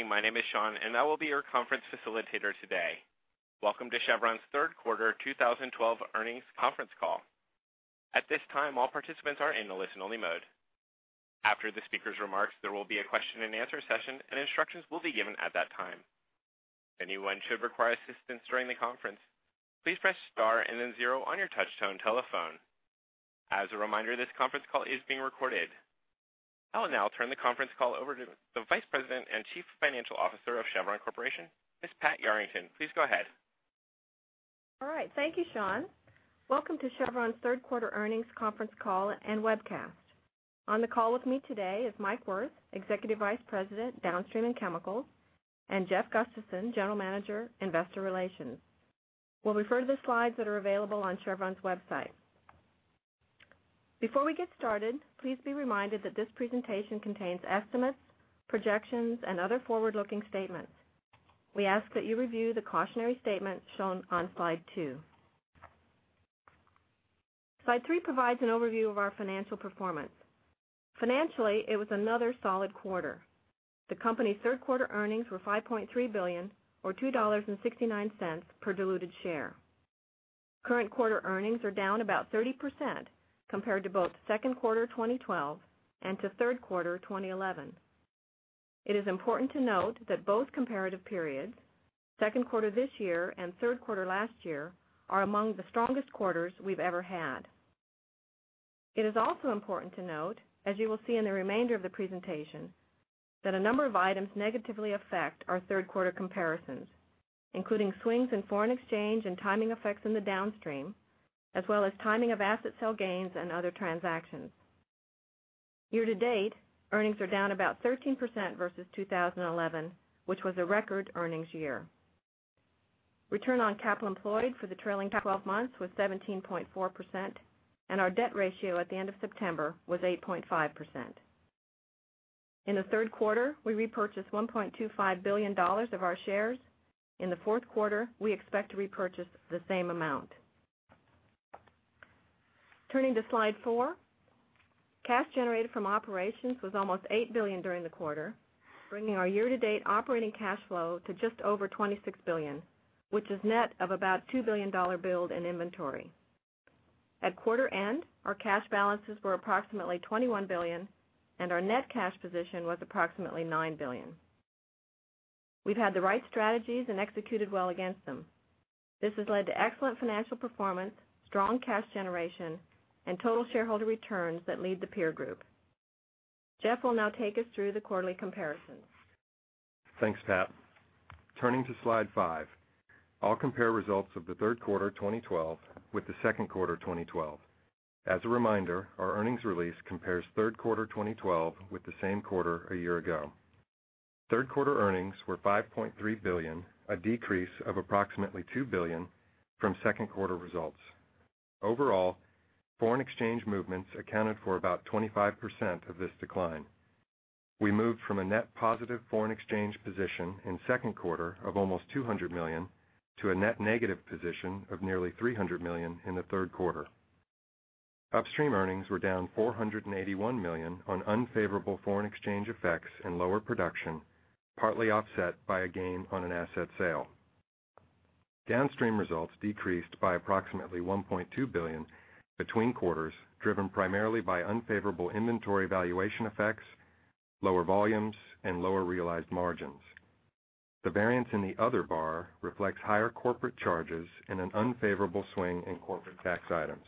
Good morning. My name is Sean. I will be your conference facilitator today. Welcome to Chevron's third quarter 2012 earnings conference call. At this time, all participants are in listen-only mode. After the speaker's remarks, there will be a question-and-answer session, and instructions will be given at that time. If anyone should require assistance during the conference, please press star and then zero on your touch-tone telephone. As a reminder, this conference call is being recorded. I will now turn the conference call over to the Vice President and Chief Financial Officer of Chevron Corporation, Ms. Patricia Yarrington. Please go ahead. All right. Thank you, Sean. Welcome to Chevron's third quarter earnings conference call and webcast. On the call with me today is Mike Wirth, Executive Vice President, Downstream and Chemicals, and Jeff Gustavson, General Manager, Investor Relations. We'll refer to the slides that are available on Chevron's website. Before we get started, please be reminded that this presentation contains estimates, projections, and other forward-looking statements. We ask that you review the cautionary statements shown on slide two. Slide three provides an overview of our financial performance. Financially, it was another solid quarter. The company's third-quarter earnings were $5.3 billion or $2.69 per diluted share. Current quarter earnings are down about 30% compared to both Q2 2012 and to Q3 2011. It is important to note that both comparative periods, Q2 this year and Q3 last year, are among the strongest quarters we've ever had. It is also important to note, as you will see in the remainder of the presentation, that a number of items negatively affect our third-quarter comparisons, including swings in foreign exchange and timing effects in the Downstream, as well as timing of asset sale gains and other transactions. Year-to-date, earnings are down about 13% versus 2011, which was a record earnings year. Return on capital employed for the trailing 12 months was 17.4%, and our debt ratio at the end of September was 8.5%. In the third quarter, we repurchased $1.25 billion of our shares. In the fourth quarter, we expect to repurchase the same amount. Turning to slide four, cash generated from operations was almost $8 billion during the quarter, bringing our year-to-date operating cash flow to just over $26 billion, which is net of about a $2 billion build in inventory. At quarter end, our cash balances were approximately $21 billion, and our net cash position was approximately $9 billion. We've had the right strategies and executed well against them. This has led to excellent financial performance, strong cash generation, and total shareholder returns that lead the peer group. Jeff will now take us through the quarterly comparisons. Thanks, Pat. Turning to slide five, I'll compare results of the third quarter 2012 with the second quarter 2012. As a reminder, our earnings release compares Q3 2012 with the same quarter a year ago. Third-quarter earnings were $5.3 billion, a decrease of approximately $2 billion from second-quarter results. Overall, foreign exchange movements accounted for about 25% of this decline. We moved from a net positive foreign exchange position in Q2 of almost $200 million to a net negative position of nearly $300 million in the third quarter. Upstream earnings were down $481 million on unfavorable foreign exchange effects and lower production, partly offset by a gain on an asset sale. Downstream results decreased by approximately $1.2 billion between quarters, driven primarily by unfavorable inventory valuation effects, lower volumes, and lower realized margins. The variance in the other bar reflects higher corporate charges and an unfavorable swing in corporate tax items.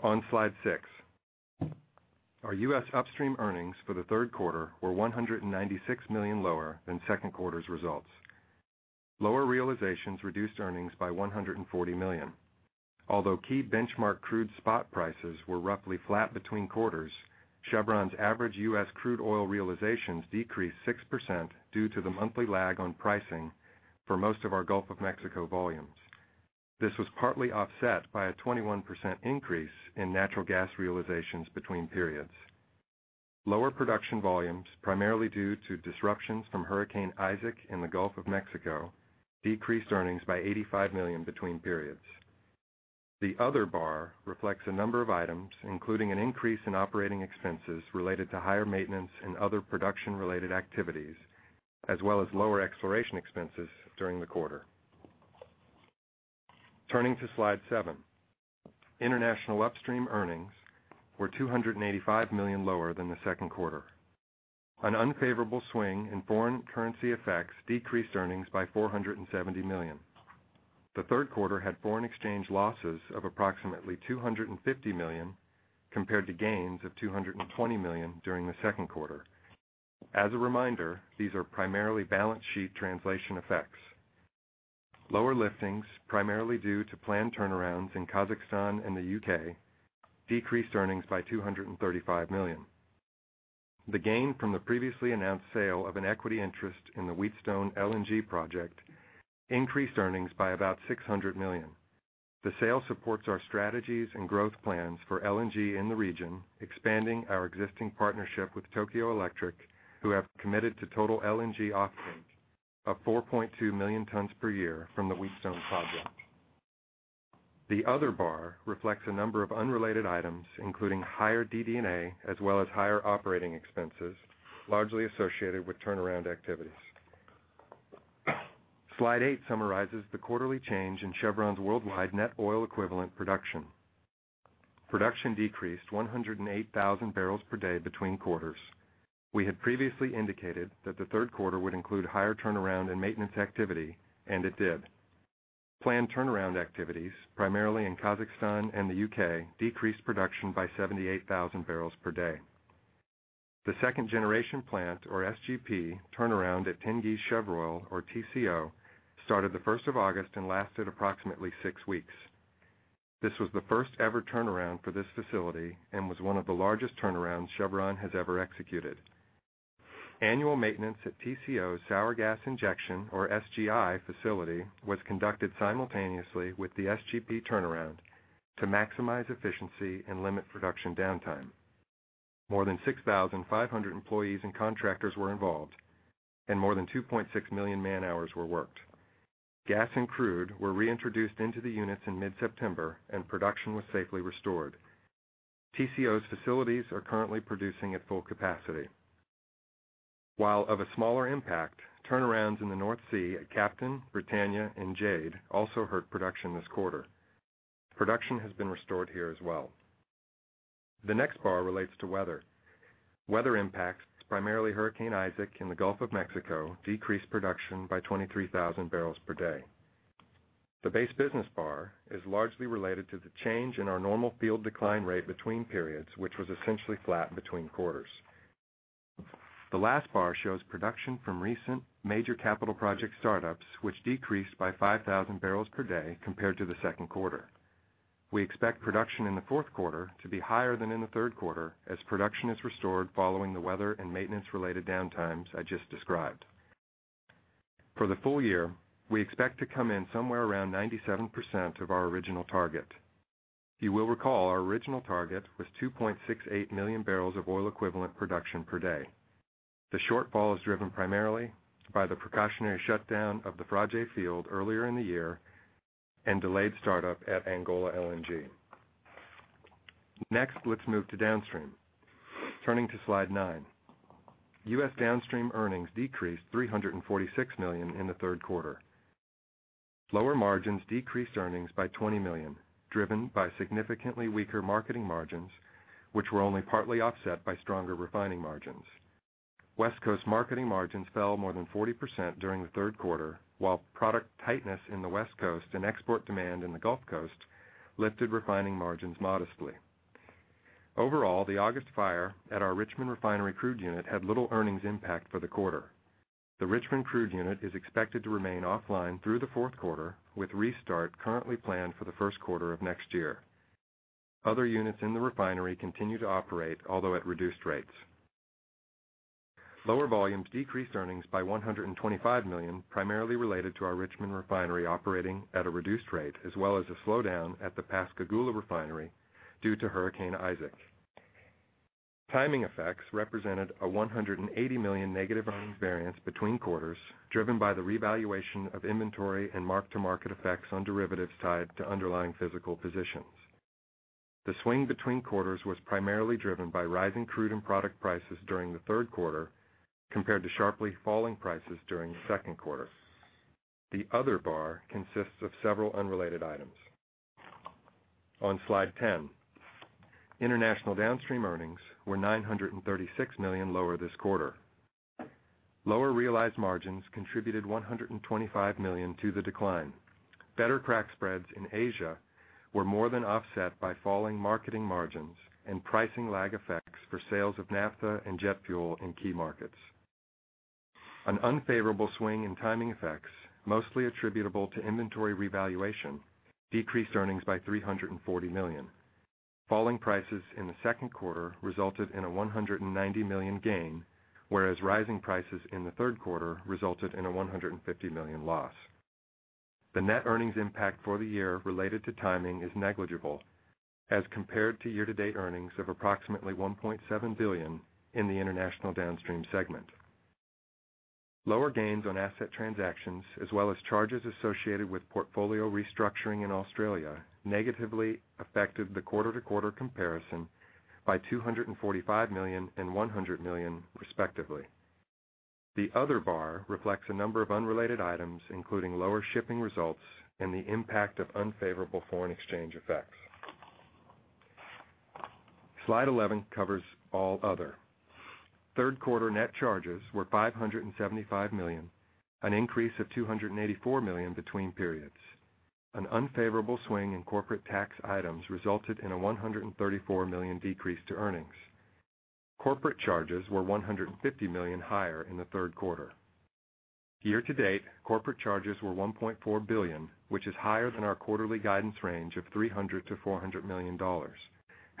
On slide six, our U.S. Upstream earnings for the third quarter were $196 million lower than second quarter's results. Lower realizations reduced earnings by $140 million. Although key benchmark crude spot prices were roughly flat between quarters, Chevron's average U.S. crude oil realizations decreased 6% due to the monthly lag on pricing for most of our Gulf of Mexico volumes. This was partly offset by a 21% increase in natural gas realizations between periods. Lower production volumes, primarily due to disruptions from Hurricane Isaac in the Gulf of Mexico, decreased earnings by $85 million between periods. The other bar reflects a number of items, including an increase in operating expenses related to higher maintenance and other production-related activities, as well as lower exploration expenses during the quarter. Turning to slide seven, international Upstream earnings were $285 million lower than the second quarter. An unfavorable swing in foreign currency effects decreased earnings by $470 million. The third quarter had foreign exchange losses of approximately $250 million compared to gains of $220 million during the second quarter. As a reminder, these are primarily balance sheet translation effects. Lower liftings, primarily due to planned turnarounds in Kazakhstan and the U.K., decreased earnings by $235 million. The gain from the previously announced sale of an equity interest in the Wheatstone LNG project increased earnings by about $600 million. The sale supports our strategies and growth plans for LNG in the region, expanding our existing partnership with Tokyo Electric, who have committed to total LNG off-take of 4.2 million tons per year from the Wheatstone project. The other bar reflects a number of unrelated items, including higher DD&A as well as higher operating expenses, largely associated with turnaround activities. Slide eight summarizes the quarterly change in Chevron's worldwide net oil equivalent production. Production decreased 108,000 barrels per day between quarters. We had previously indicated that the third quarter would include higher turnaround and maintenance activity, and it did. Planned turnaround activities, primarily in Kazakhstan and the U.K., decreased production by 78,000 barrels per day. The second-generation plant, or SGP turnaround at Tengizchevroil, or TCO, started the first of August and lasted approximately six weeks. This was the first-ever turnaround for this facility and was one of the largest turnarounds Chevron has ever executed. Annual maintenance at TCO's sour gas injection, or SGI facility, was conducted simultaneously with the SGP turnaround to maximize efficiency and limit production downtime. More than 6,500 employees and contractors were involved, and more than 2.6 million man-hours were worked. Gas and crude were reintroduced into the units in mid-September, and production was safely restored. TCO's facilities are currently producing at full capacity. While of a smaller impact, turnarounds in the North Sea at Captain, Britannia, and Jade also hurt production this quarter. Production has been restored here as well. The next bar relates to weather. Weather impacts, primarily Hurricane Isaac in the Gulf of Mexico, decreased production by 23,000 barrels per day. The base business bar is largely related to the change in our normal field decline rate between periods, which was essentially flat between quarters. The last bar shows production from recent major capital project startups, which decreased by 5,000 barrels per day compared to the second quarter. We expect production in the fourth quarter to be higher than in the third quarter as production is restored following the weather and maintenance-related downtimes I just described. For the full year, we expect to come in somewhere around 97% of our original target. You will recall our original target was 2.68 million barrels of oil equivalent production per day. The shortfall is driven primarily by the precautionary shutdown of the Frade field earlier in the year and delayed startup at Angola LNG. Let's move to downstream. Turning to slide nine. U.S. downstream earnings decreased $346 million in the third quarter. Lower margins decreased earnings by $20 million, driven by significantly weaker marketing margins, which were only partly offset by stronger refining margins. West Coast marketing margins fell more than 40% during the third quarter, while product tightness in the West Coast and export demand in the Gulf Coast lifted refining margins modestly. Overall, the August fire at our Richmond Refinery crude unit had little earnings impact for the quarter. The Richmond crude unit is expected to remain offline through the fourth quarter, with restart currently planned for the first quarter of next year. Other units in the refinery continue to operate, although at reduced rates. Lower volumes decreased earnings by $125 million, primarily related to our Richmond Refinery operating at a reduced rate, as well as a slowdown at the Pascagoula Refinery due to Hurricane Isaac. Timing effects represented a $180 million negative earnings variance between quarters, driven by the revaluation of inventory and mark-to-market effects on derivatives tied to underlying physical positions. The swing between quarters was primarily driven by rising crude and product prices during the third quarter compared to sharply falling prices during the second quarter. The other bar consists of several unrelated items. On slide 10, international downstream earnings were $936 million lower this quarter. Lower realized margins contributed $125 million to the decline. Better crack spreads in Asia were more than offset by falling marketing margins and pricing lag effects for sales of naphtha and jet fuel in key markets. An unfavorable swing in timing effects, mostly attributable to inventory revaluation, decreased earnings by $340 million. Falling prices in the second quarter resulted in a $190 million gain, whereas rising prices in the third quarter resulted in a $150 million loss. The net earnings impact for the year related to timing is negligible as compared to year-to-date earnings of approximately $1.7 billion in the international downstream segment. Lower gains on asset transactions, as well as charges associated with portfolio restructuring in Australia, negatively affected the quarter-to-quarter comparison by $245 million and $100 million, respectively. The other bar reflects a number of unrelated items, including lower shipping results and the impact of unfavorable foreign exchange effects. Slide 11 covers all other. Third quarter net charges were $575 million, an increase of $284 million between periods. An unfavorable swing in corporate tax items resulted in a $134 million decrease to earnings. Corporate charges were $150 million higher in the third quarter. Year-to-date, corporate charges were $1.4 billion, which is higher than our quarterly guidance range of $300 million-$400 million.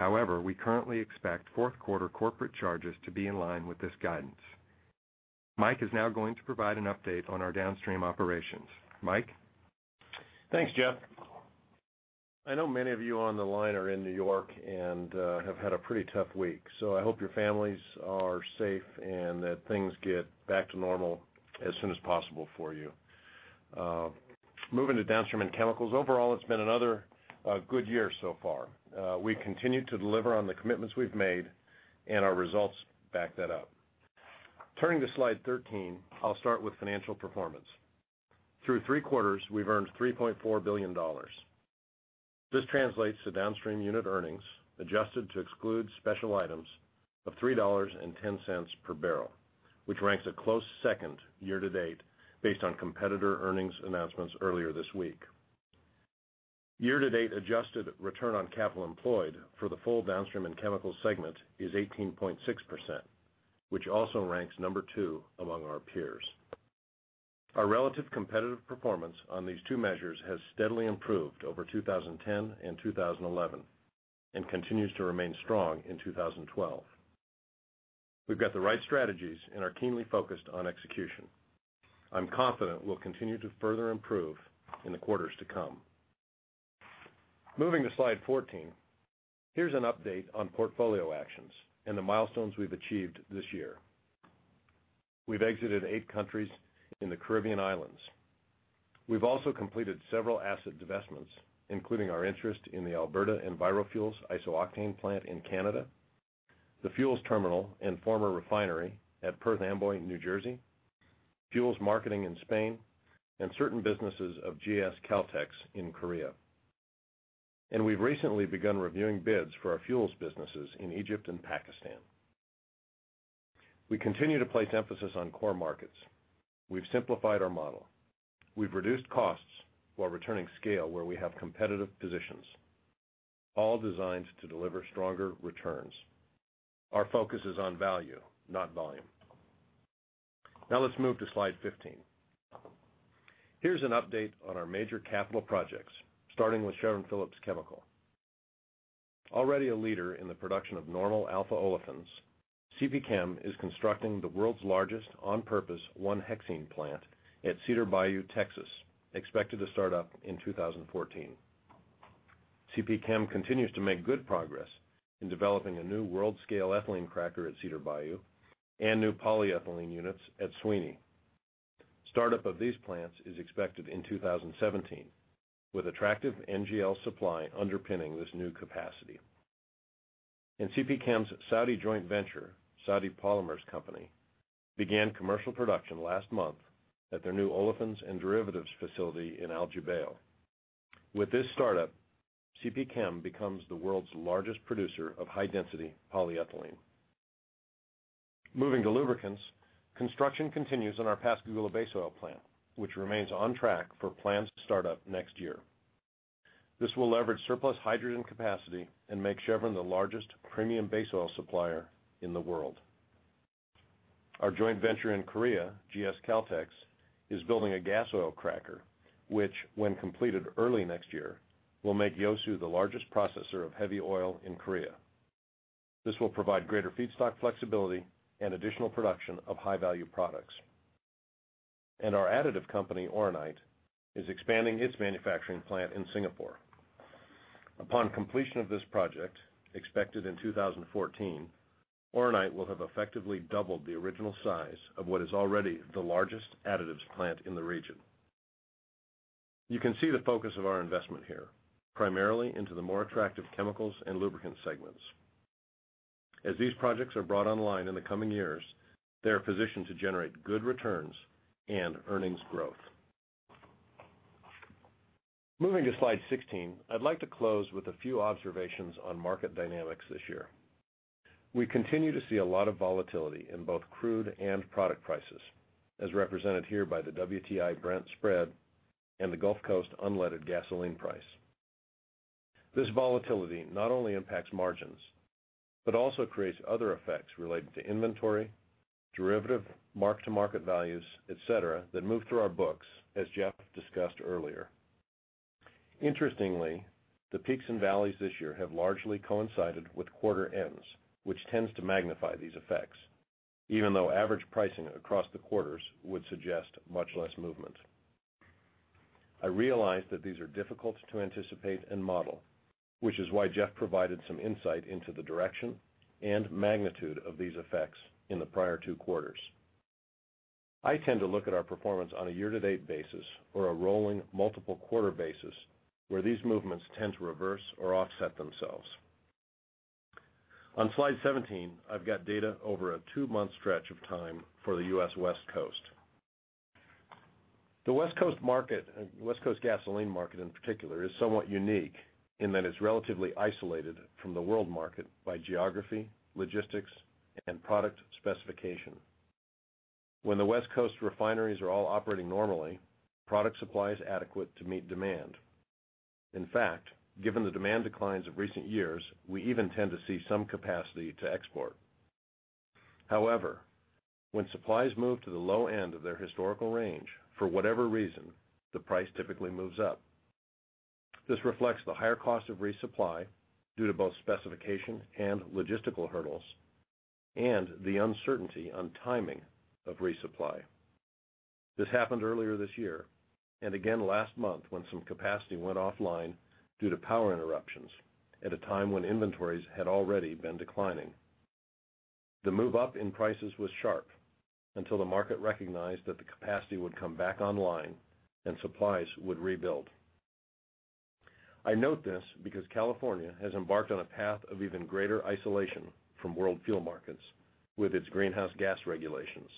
We currently expect fourth quarter corporate charges to be in line with this guidance. Mike is now going to provide an update on our downstream operations. Mike? Thanks, Jeff. I know many of you on the line are in N.Y. and have had a pretty tough week, so I hope your families are safe and that things get back to normal as soon as possible for you. Moving to Downstream and Chemicals. Overall, it's been another good year so far. We continue to deliver on the commitments we've made, and our results back that up. Turning to slide 13, I'll start with financial performance. Through three quarters, we've earned $3.4 billion. This translates to downstream unit earnings adjusted to exclude special items of $3.10 per barrel, which ranks a close second year-to-date based on competitor earnings announcements earlier this week. Year-to-date adjusted return on capital employed for the full Downstream and Chemical segment is 18.6%, which also ranks number 2 among our peers. Our relative competitive performance on these two measures has steadily improved over 2010 and 2011 and continues to remain strong in 2012. We've got the right strategies and are keenly focused on execution. I'm confident we'll continue to further improve in the quarters to come. Moving to slide 14, here's an update on portfolio actions and the milestones we've achieved this year. We've exited eight countries in the Caribbean Islands. We've also completed several asset divestments, including our interest in the Alberta EnviroFuels isooctane plant in Canada, the fuels terminal and former refinery at Perth Amboy, New Jersey, fuels marketing in Spain, and certain businesses of GS Caltex in Korea. We've recently begun reviewing bids for our fuels businesses in Egypt and Pakistan. We continue to place emphasis on core markets. We've simplified our model. We've reduced costs while returning scale where we have competitive positions, all designed to deliver stronger returns. Our focus is on value, not volume. Let's move to slide 15. Here's an update on our major capital projects, starting with Chevron Phillips Chemical. Already a leader in the production of normal alpha-olefins, CPChem is constructing the world's largest on-purpose 1-hexene plant at Cedar Bayou, Texas, expected to start up in 2014. CPChem continues to make good progress in developing a new world-scale ethylene cracker at Cedar Bayou and new polyethylene units at Sweeny. Startup of these plants is expected in 2017, with attractive NGL supply underpinning this new capacity. CPChem's Saudi joint venture, Saudi Polymers Company, began commercial production last month at their new olefins and derivatives facility in Al Jubail. With this startup, CPChem becomes the world's largest producer of high-density polyethylene. Moving to lubricants, construction continues on our Pascagoula base oil plant, which remains on track for planned startup next year. This will leverage surplus hydrogen capacity and make Chevron the largest premium base oil supplier in the world. Our joint venture in Korea, GS Caltex, is building a gasoil cracker, which when completed early next year, will make Yeosu the largest processor of heavy oil in Korea. This will provide greater feedstock flexibility and additional production of high-value products. Our additive company, Oronite, is expanding its manufacturing plant in Singapore. Upon completion of this project, expected in 2014, Oronite will have effectively doubled the original size of what is already the largest additives plant in the region. You can see the focus of our investment here, primarily into the more attractive chemicals and lubricant segments. As these projects are brought online in the coming years, they are positioned to generate good returns and earnings growth. Moving to slide 16, I'd like to close with a few observations on market dynamics this year. We continue to see a lot of volatility in both crude and product prices, as represented here by the WTI-Brent spread and the Gulf Coast unleaded gasoline price. This volatility not only impacts margins, but also creates other effects related to inventory, derivative mark-to-market values, et cetera, that move through our books, as Jeff discussed earlier. Interestingly, the peaks and valleys this year have largely coincided with quarter ends, which tends to magnify these effects, even though average pricing across the quarters would suggest much less movement. I realize that these are difficult to anticipate and model, which is why Jeff provided some insight into the direction and magnitude of these effects in the prior two quarters. I tend to look at our performance on a year-to-date basis or a rolling multiple quarter basis where these movements tend to reverse or offset themselves. On slide 17, I've got data over a two-month stretch of time for the U.S. West Coast. The West Coast market, West Coast gasoline market in particular, is somewhat unique in that it's relatively isolated from the world market by geography, logistics, and product specification. When the West Coast refineries are all operating normally, product supply is adequate to meet demand. In fact, given the demand declines of recent years, we even tend to see some capacity to export. When supplies move to the low end of their historical range, for whatever reason, the price typically moves up. This reflects the higher cost of resupply due to both specification and logistical hurdles and the uncertainty on timing of resupply. This happened earlier this year and again last month when some capacity went offline due to power interruptions at a time when inventories had already been declining. The move up in prices was sharp until the market recognized that the capacity would come back online and supplies would rebuild. I note this because California has embarked on a path of even greater isolation from world fuel markets with its greenhouse gas regulations.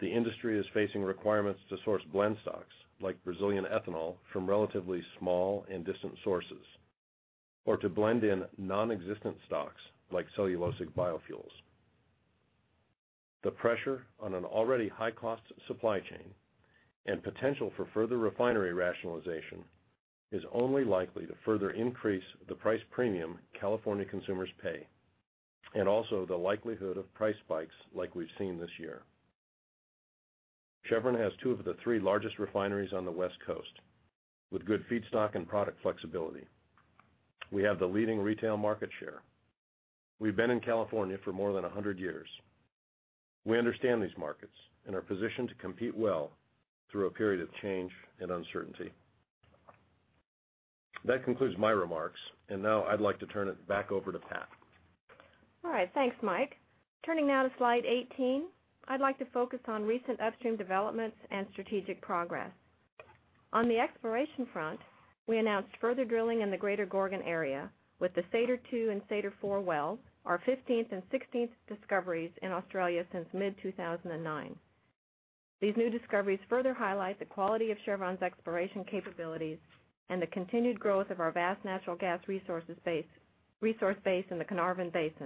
The industry is facing requirements to source blend stocks, like Brazilian ethanol, from relatively small and distant sources, or to blend in non-existent stocks, like cellulosic biofuels. The pressure on an already high-cost supply chain and potential for further refinery rationalization is only likely to further increase the price premium California consumers pay, and also the likelihood of price spikes like we've seen this year. Chevron has two of the three largest refineries on the West Coast with good feedstock and product flexibility. We have the leading retail market share. We've been in California for more than 100 years. We understand these markets and are positioned to compete well through a period of change and uncertainty. That concludes my remarks. Now I'd like to turn it back over to Pat. All right. Thanks, Mike. Turning now to slide 18, I'd like to focus on recent upstream developments and strategic progress. On the exploration front, we announced further drilling in the Greater Gorgon area with the Satyr-2 and Satyr-4 well, our 15th and 16th discoveries in Australia since mid-2009. These new discoveries further highlight the quality of Chevron's exploration capabilities and the continued growth of our vast natural gas resource base in the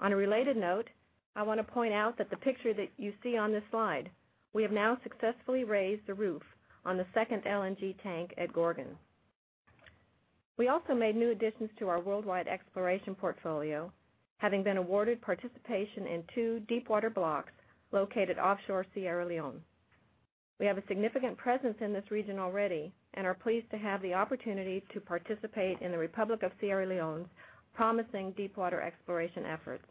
Carnarvon Basin. On a related note, I want to point out that the picture that you see on this slide, we have now successfully raised the roof on the second LNG tank at Gorgon. We also made new additions to our worldwide exploration portfolio, having been awarded participation in two deepwater blocks located offshore Sierra Leone. We have a significant presence in this region already and are pleased to have the opportunity to participate in the Republic of Sierra Leone's promising deepwater exploration efforts.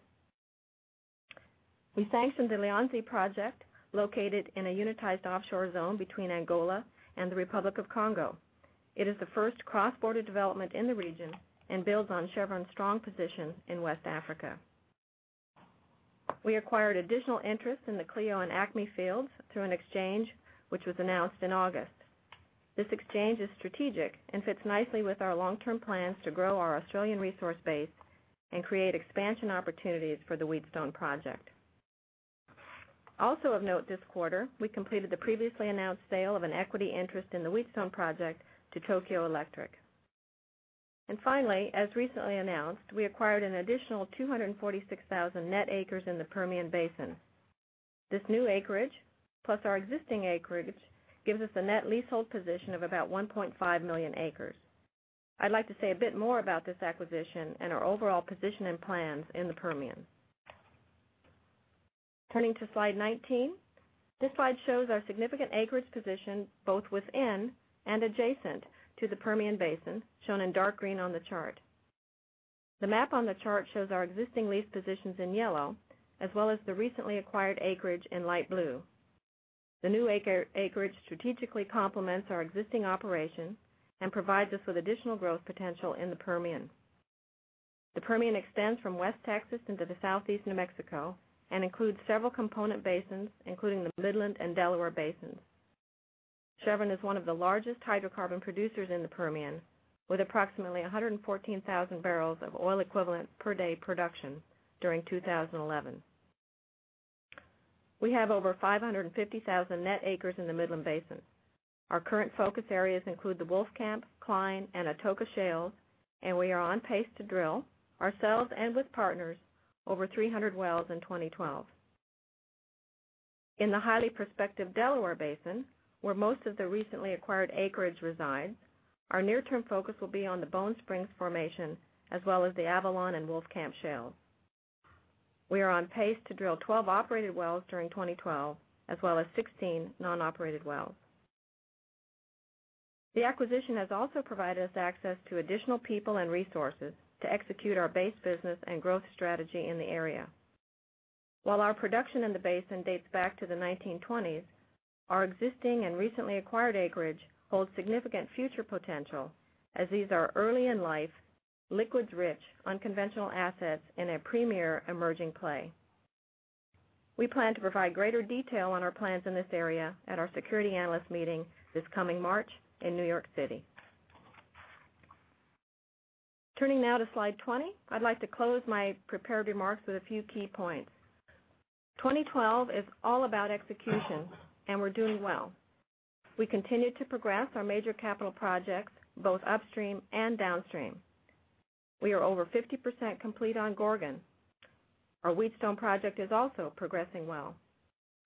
We sanctioned the Lianzi project, located in a unitized offshore zone between Angola and the Republic of Congo. It is the first cross-border development in the region and builds on Chevron's strong position in West Africa. We acquired additional interest in the Cleo and Acme fields through an exchange which was announced in August. This exchange is strategic and fits nicely with our long-term plans to grow our Australian resource base and create expansion opportunities for the Wheatstone Project. Also of note this quarter, we completed the previously announced sale of an equity interest in the Wheatstone Project to Tokyo Electric. Finally, as recently announced, we acquired an additional 246,000 net acres in the Permian Basin. This new acreage, plus our existing acreage, gives us a net leasehold position of about 1.5 million acres. I'd like to say a bit more about this acquisition and our overall position and plans in the Permian. Turning to slide 19. This slide shows our significant acreage position both within and adjacent to the Permian Basin, shown in dark green on the chart. The map on the chart shows our existing lease positions in yellow, as well as the recently acquired acreage in light blue. The new acreage strategically complements our existing operations and provides us with additional growth potential in the Permian. The Permian extends from West Texas into the southeast New Mexico and includes several component basins, including the Midland and Delaware basins. Chevron is one of the largest hydrocarbon producers in the Permian, with approximately 114,000 barrels of oil equivalent per day production during 2011. We have over 550,000 net acres in the Midland Basin. Our current focus areas include the Wolfcamp, Cline, and Atoka shales, and we are on pace to drill, ourselves and with partners, over 300 wells in 2012. In the highly prospective Delaware Basin, where most of the recently acquired acreage resides, our near-term focus will be on the Bone Springs formation, as well as the Avalon and Wolfcamp shales. We are on pace to drill 12 operated wells during 2012, as well as 16 non-operated wells. The acquisition has also provided us access to additional people and resources to execute our base business and growth strategy in the area. While our production in the basin dates back to the 1920s, our existing and recently acquired acreage holds significant future potential, as these are early in life, liquids-rich unconventional assets in a premier emerging play. We plan to provide greater detail on our plans in this area at our security analyst meeting this coming March in New York City. Turning now to slide 20. I'd like to close my prepared remarks with a few key points. 2012 is all about execution and we're doing well. We continue to progress our major capital projects both upstream and downstream. We are over 50% complete on Gorgon. Our Wheatstone Project is also progressing well.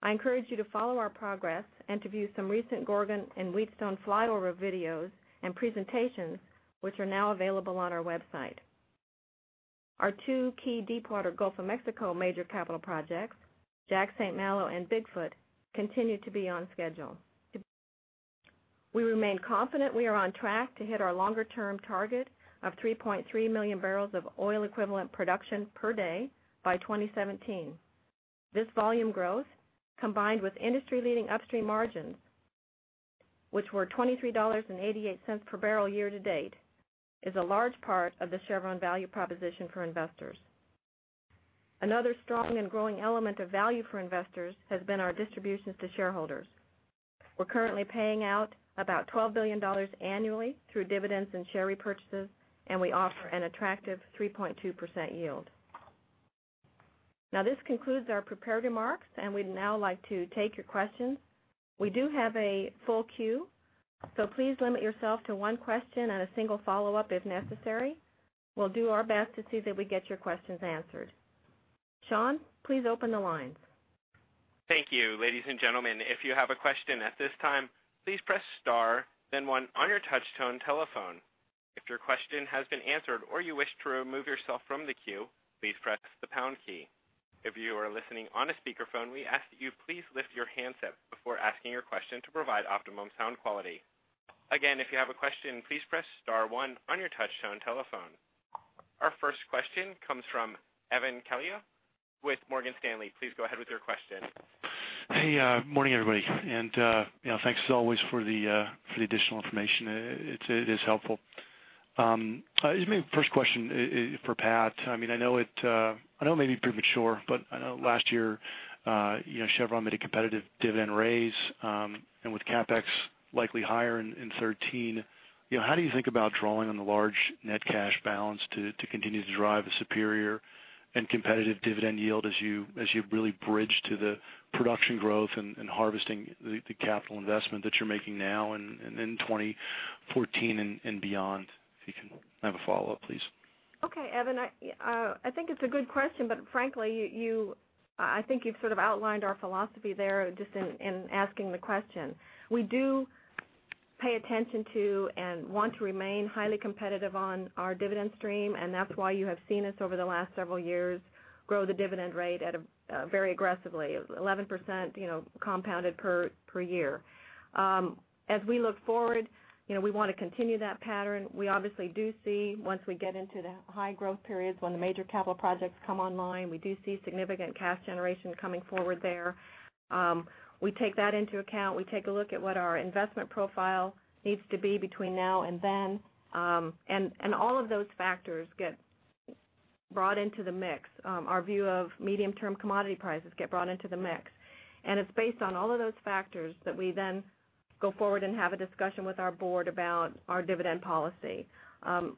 I encourage you to follow our progress and to view some recent Gorgon and Wheatstone flyover videos and presentations, which are now available on our website. Our two key deepwater Gulf of Mexico major capital projects, Jack/St. Malo and Bigfoot, continue to be on schedule. We remain confident we are on track to hit our longer-term target of 3.3 million barrels of oil equivalent production per day by 2017. This volume growth, combined with industry-leading upstream margins, which were $23.88 per barrel year-to-date, is a large part of the Chevron value proposition for investors. Another strong and growing element of value for investors has been our distributions to shareholders. We're currently paying out about $12 billion annually through dividends and share repurchases, and we offer an attractive 3.2% yield. Now, this concludes our prepared remarks, and we'd now like to take your questions. We do have a full queue, so please limit yourself to one question and a single follow-up if necessary. We'll do our best to see that we get your questions answered. Sean, please open the lines. Thank you. Ladies and gentlemen, if you have a question at this time, please press star then one on your touch tone telephone. If your question has been answered or you wish to remove yourself from the queue, please press the pound key. If you are listening on a speakerphone, we ask that you please lift your handset before asking your question to provide optimum sound quality. Again, if you have a question, please press star one on your touch tone telephone. Our first question comes from Evan Kelly with Morgan Stanley. Please go ahead with your question. Hey, morning, everybody. Thanks as always for the additional information. It is helpful. Maybe first question is for Pat. I know it may be premature, but I know last year, Chevron made a competitive dividend raise. With CapEx likely higher in 2013, how do you think about drawing on the large net cash balance to continue to drive a superior and competitive dividend yield as you really bridge to the production growth and harvesting the capital investment that you're making now and in 2014 and beyond? If you can have a follow-up, please. Okay. Evan, I think it's a good question, but frankly, I think you've sort of outlined our philosophy there just in asking the question. We do pay attention to and want to remain highly competitive on our dividend stream, and that's why you have seen us over the last several years grow the dividend rate very aggressively, 11% compounded per year. As we look forward, we want to continue that pattern. We obviously do see, once we get into the high growth periods, when the major capital projects come online, we do see significant cash generation coming forward there. We take that into account. We take a look at what our investment profile needs to be between now and then. All of those factors get brought into the mix. Our view of medium-term commodity prices get brought into the mix, and it's based on all of those factors that we then go forward and have a discussion with our board about our dividend policy.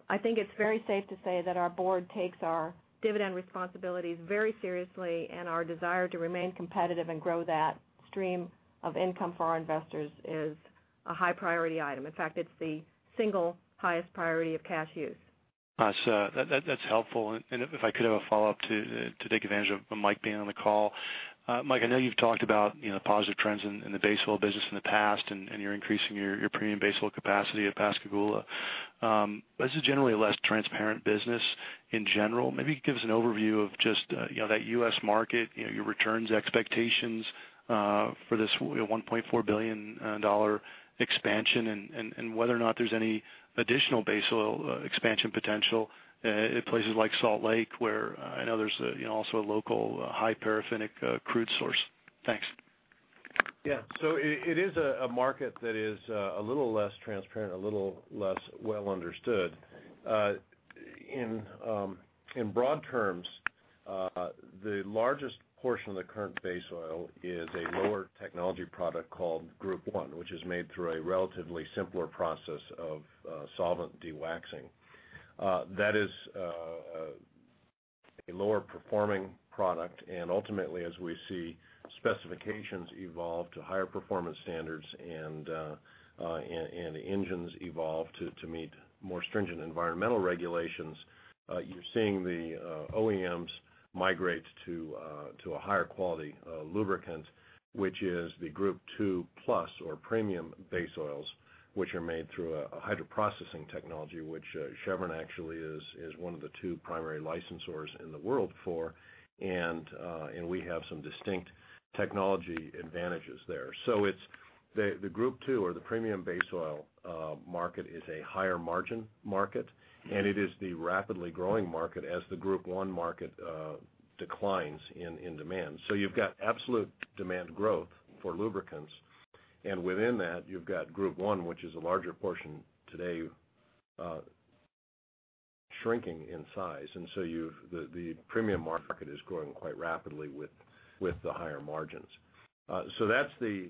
I think it's very safe to say that our board takes our dividend responsibilities very seriously, and our desire to remain competitive and grow that stream of income for our investors is a high priority item. In fact, it's the single highest priority of cash use. That's helpful. If I could have a follow-up to take advantage of Mike being on the call. Mike, I know you've talked about the positive trends in the base oil business in the past, and you're increasing your premium base oil capacity at Pascagoula. This is generally a less transparent business in general. Maybe give us an overview of just that U.S. market, your returns expectations for this $1.4 billion expansion, and whether or not there's any additional base oil expansion potential at places like Salt Lake, where I know there's also a local high paraffinic crude source. Thanks. Yeah. It is a market that is a little less transparent, a little less well understood. In broad terms, the largest portion of the current base oil is a lower technology product called Group I, which is made through a relatively simpler process of solvent dewaxing. That is a lower performing product, and ultimately, as we see specifications evolve to higher performance standards and engines evolve to meet more stringent environmental regulations, you're seeing the OEMs migrate to a higher quality lubricant, which is the Group II plus or premium base oils, which are made through a hydroprocessing technology, which Chevron actually is one of the two primary licensors in the world for. We have some distinct technology advantages there. The Group II or the premium base oil market is a higher margin market, and it is the rapidly growing market as the Group I market declines in demand. You've got absolute demand growth for lubricants, and within that, you've got Group I, which is a larger portion today shrinking in size. The premium market is growing quite rapidly with the higher margins. That's the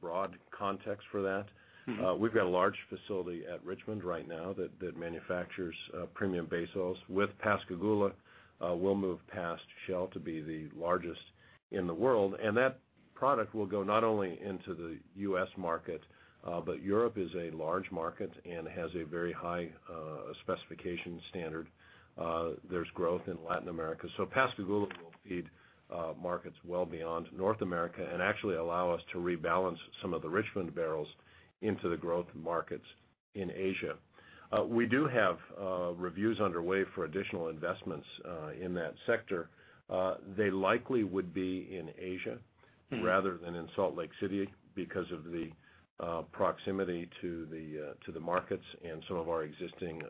broad context for that. We've got a large facility at Richmond right now that manufactures premium base oils. With Pascagoula, we'll move past Shell to be the largest in the world. That product will go not only into the U.S. market, but Europe is a large market and has a very high specification standard. There's growth in Latin America. Pascagoula will feed markets well beyond North America and actually allow us to rebalance some of the Richmond barrels into the growth markets in Asia. We do have reviews underway for additional investments in that sector. They likely would be in Asia Rather than in Salt Lake City because of the proximity to the markets and some of our existing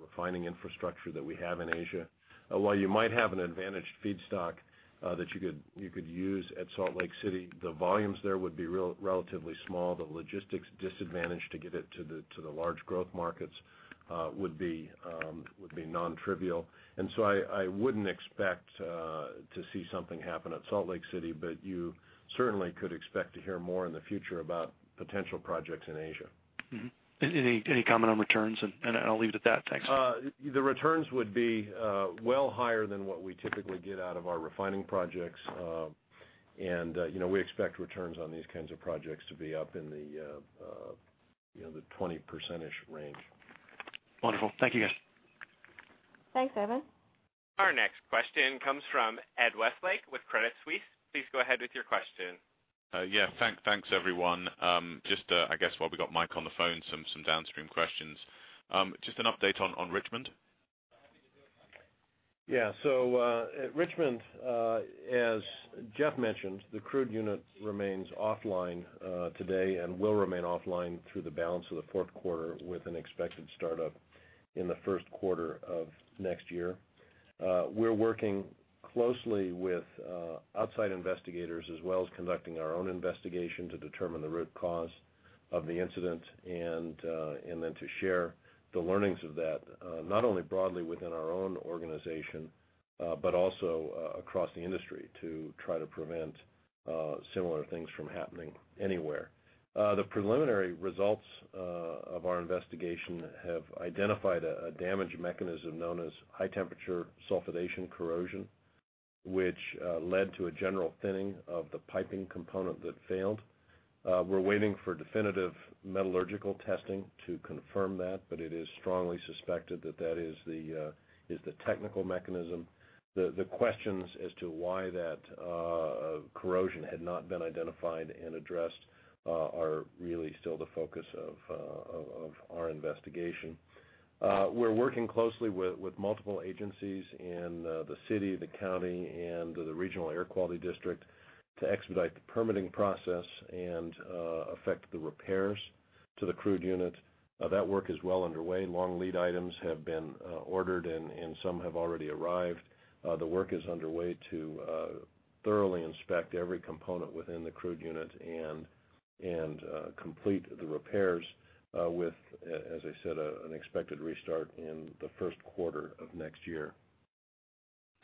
refining infrastructure that we have in Asia. While you might have an advantaged feedstock that you could use at Salt Lake City, the volumes there would be relatively small. The logistics disadvantage to get it to the large growth markets would be non-trivial. I wouldn't expect to see something happen at Salt Lake City, but you certainly could expect to hear more in the future about potential projects in Asia. Any comment on returns? I'll leave it at that. Thanks. The returns would be well higher than what we typically get out of our refining projects. We expect returns on these kinds of projects to be up in the 20% range. Wonderful. Thank you guys. Thanks, Evan. Our next question comes from Edward Westlake with Credit Suisse. Please go ahead with your question. Yeah, thanks, everyone. Just I guess while we got Mike on the phone, some downstream questions. Just an update on Richmond? Yeah. At Richmond, as Jeff mentioned, the crude unit remains offline today and will remain offline through the balance of the fourth quarter with an expected startup in the first quarter of next year. We're working closely with outside investigators as well as conducting our own investigation to determine the root cause of the incident and then to share the learnings of that, not only broadly within our own organization but also across the industry to try to prevent similar things from happening anywhere. The preliminary results of our investigation have identified a damage mechanism known as high-temperature sulfidation corrosion, which led to a general thinning of the piping component that failed. We're waiting for definitive metallurgical testing to confirm that, but it is strongly suspected that that is the technical mechanism. The questions as to why that corrosion had not been identified and addressed are really still the focus of our investigation. We're working closely with multiple agencies in the city, the county, and the regional air quality district to expedite the permitting process and affect the repairs to the crude unit. That work is well underway. Long lead items have been ordered, and some have already arrived. The work is underway to thoroughly inspect every component within the crude unit and complete the repairs with, as I said, an expected restart in the first quarter of next year.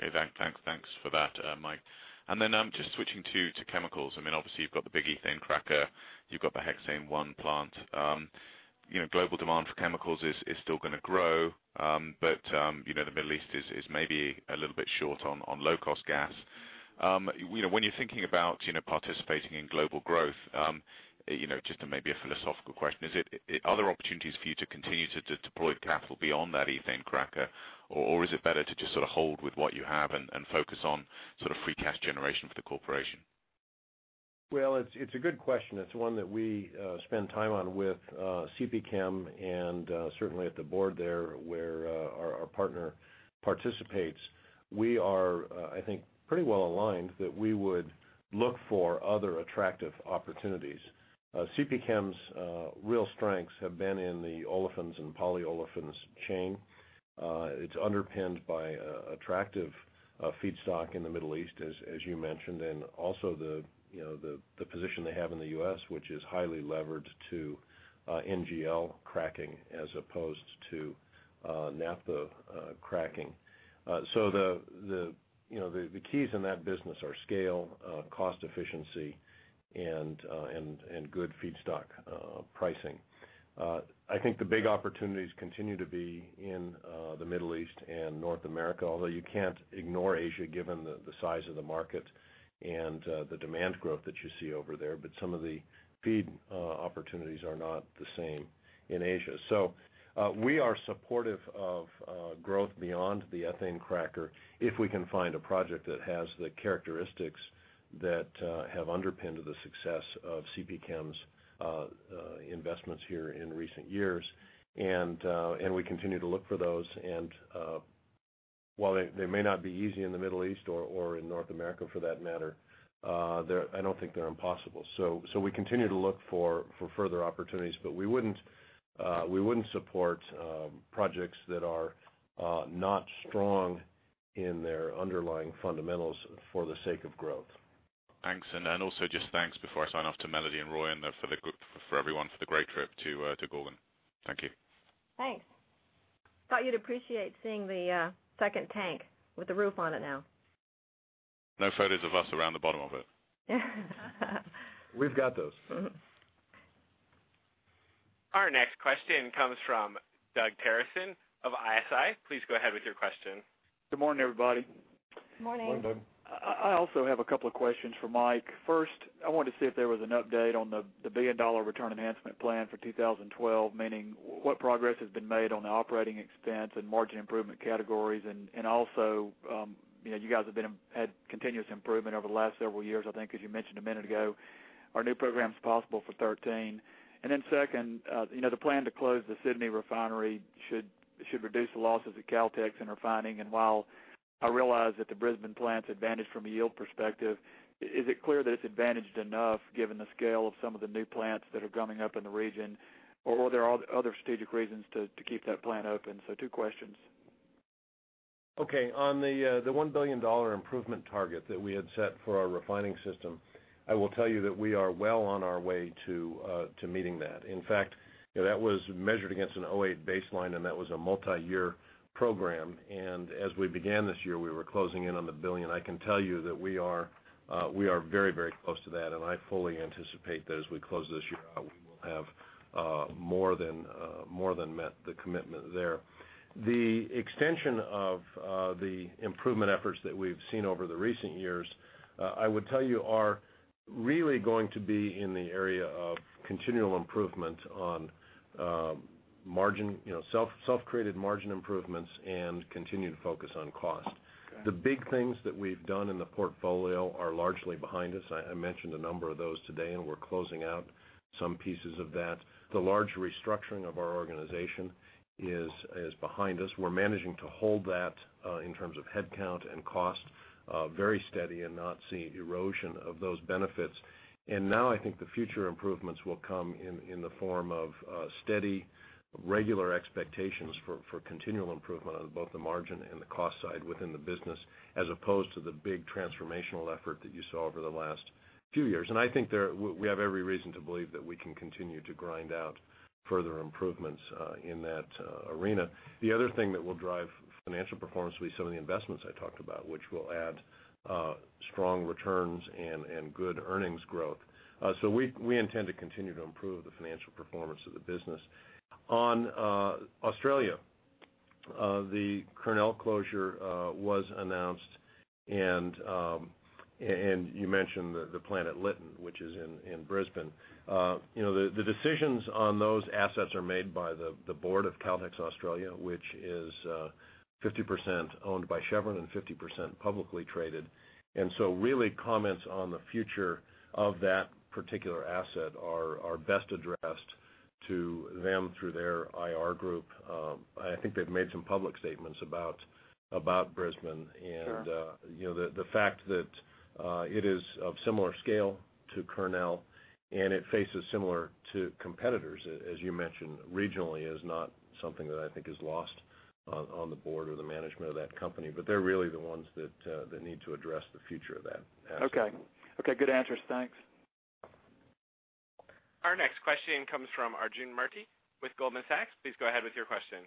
Okay. Thanks for that, Mike. Just switching to chemicals. Obviously, you've got the big ethane cracker, you've got the 1-hexene plant. Global demand for chemicals is still going to grow. The Middle East is maybe a little bit short on low-cost gas. When you're thinking about participating in global growth, just maybe a philosophical question, are there opportunities for you to continue to deploy capital beyond that ethane cracker, or is it better to just sort of hold with what you have and focus on sort of free cash generation for the corporation? Well, it's a good question. It's one that we spend time on with CPChem and certainly at the board there where our partner participates. We are, I think, pretty well aligned that we would look for other attractive opportunities. CPChem's real strengths have been in the olefins and polyolefins chain. It's underpinned by attractive feedstock in the Middle East, as you mentioned, and also the position they have in the U.S., which is highly levered to NGL cracking as opposed to naphtha cracking. The keys in that business are scale, cost efficiency, and good feedstock pricing. I think the big opportunities continue to be in the Middle East and North America, although you can't ignore Asia given the size of the market and the demand growth that you see over there. Some of the feed opportunities are not the same in Asia. We are supportive of growth beyond the ethane cracker if we can find a project that has the characteristics that have underpinned the success of CPChem's investments here in recent years. We continue to look for those. While they may not be easy in the Middle East or in North America for that matter, I don't think they're impossible. We continue to look for further opportunities. We wouldn't support projects that are not strong in their underlying fundamentals for the sake of growth. Thanks. Then also just thanks before I sign off to Melody and Roy for everyone for the great trip to Gorgon. Thank you. Thanks. Thought you'd appreciate seeing the second tank with the roof on it now. No photos of us around the bottom of it. We've got those. Our next question comes from Doug Terreson of ISI. Please go ahead with your question. Good morning, everybody. Morning. Morning, Doug. I also have a couple of questions for Mike. First, I wanted to see if there was an update on the billion-dollar return enhancement plan for 2012. Meaning what progress has been made on the operating expense and margin improvement categories? Also, you guys have had continuous improvement over the last several years, I think, as you mentioned a minute ago. Are new programs possible for 2013? Then second, the plan to close the Sydney refinery should reduce the losses at Caltex in refining. While I realize that the Brisbane plant's advantaged from a yield perspective, is it clear that it's advantaged enough given the scale of some of the new plants that are coming up in the region? Are there other strategic reasons to keep that plant open? Two questions. Okay. On the $1 billion improvement target that we had set for our refining system, I will tell you that we are well on our way to meeting that. In fact, that was measured against a 2008 baseline, and that was a multi-year program. As we began this year, we were closing in on the billion. I can tell you that we are very close to that, and I fully anticipate that as we close this year out, we will have more than met the commitment there. The extension of the improvement efforts that we've seen over the recent years, I would tell you, are really going to be in the area of continual improvement on self-created margin improvements and continued focus on cost. Okay. The big things that we've done in the portfolio are largely behind us. I mentioned a number of those today, and we're closing out some pieces of that. The large restructuring of our organization is behind us. We're managing to hold that in terms of headcount and cost very steady and not seeing erosion of those benefits. Now I think the future improvements will come in the form of steady, regular expectations for continual improvement on both the margin and the cost side within the business, as opposed to the big transformational effort that you saw over the last few years. I think we have every reason to believe that we can continue to grind out further improvements in that arena. The other thing that will drive financial performance will be some of the investments I talked about, which will add strong returns and good earnings growth. We intend to continue to improve the financial performance of the business. On Australia, the Kurnell closure was announced and you mentioned the plant at Lytton, which is in Brisbane. The decisions on those assets are made by the board of Caltex Australia, which is 50% owned by Chevron and 50% publicly traded. Really comments on the future of that particular asset are best addressed to them through their IR group. I think they've made some public statements about Brisbane and the fact that it is of similar scale to Kurnell and it faces similar to competitors, as you mentioned regionally, is not something that I think is lost on the board or the management of that company. They're really the ones that need to address the future of that asset. Okay. Good answers. Thanks. Our next question comes from Arjun Murti with Goldman Sachs. Please go ahead with your question.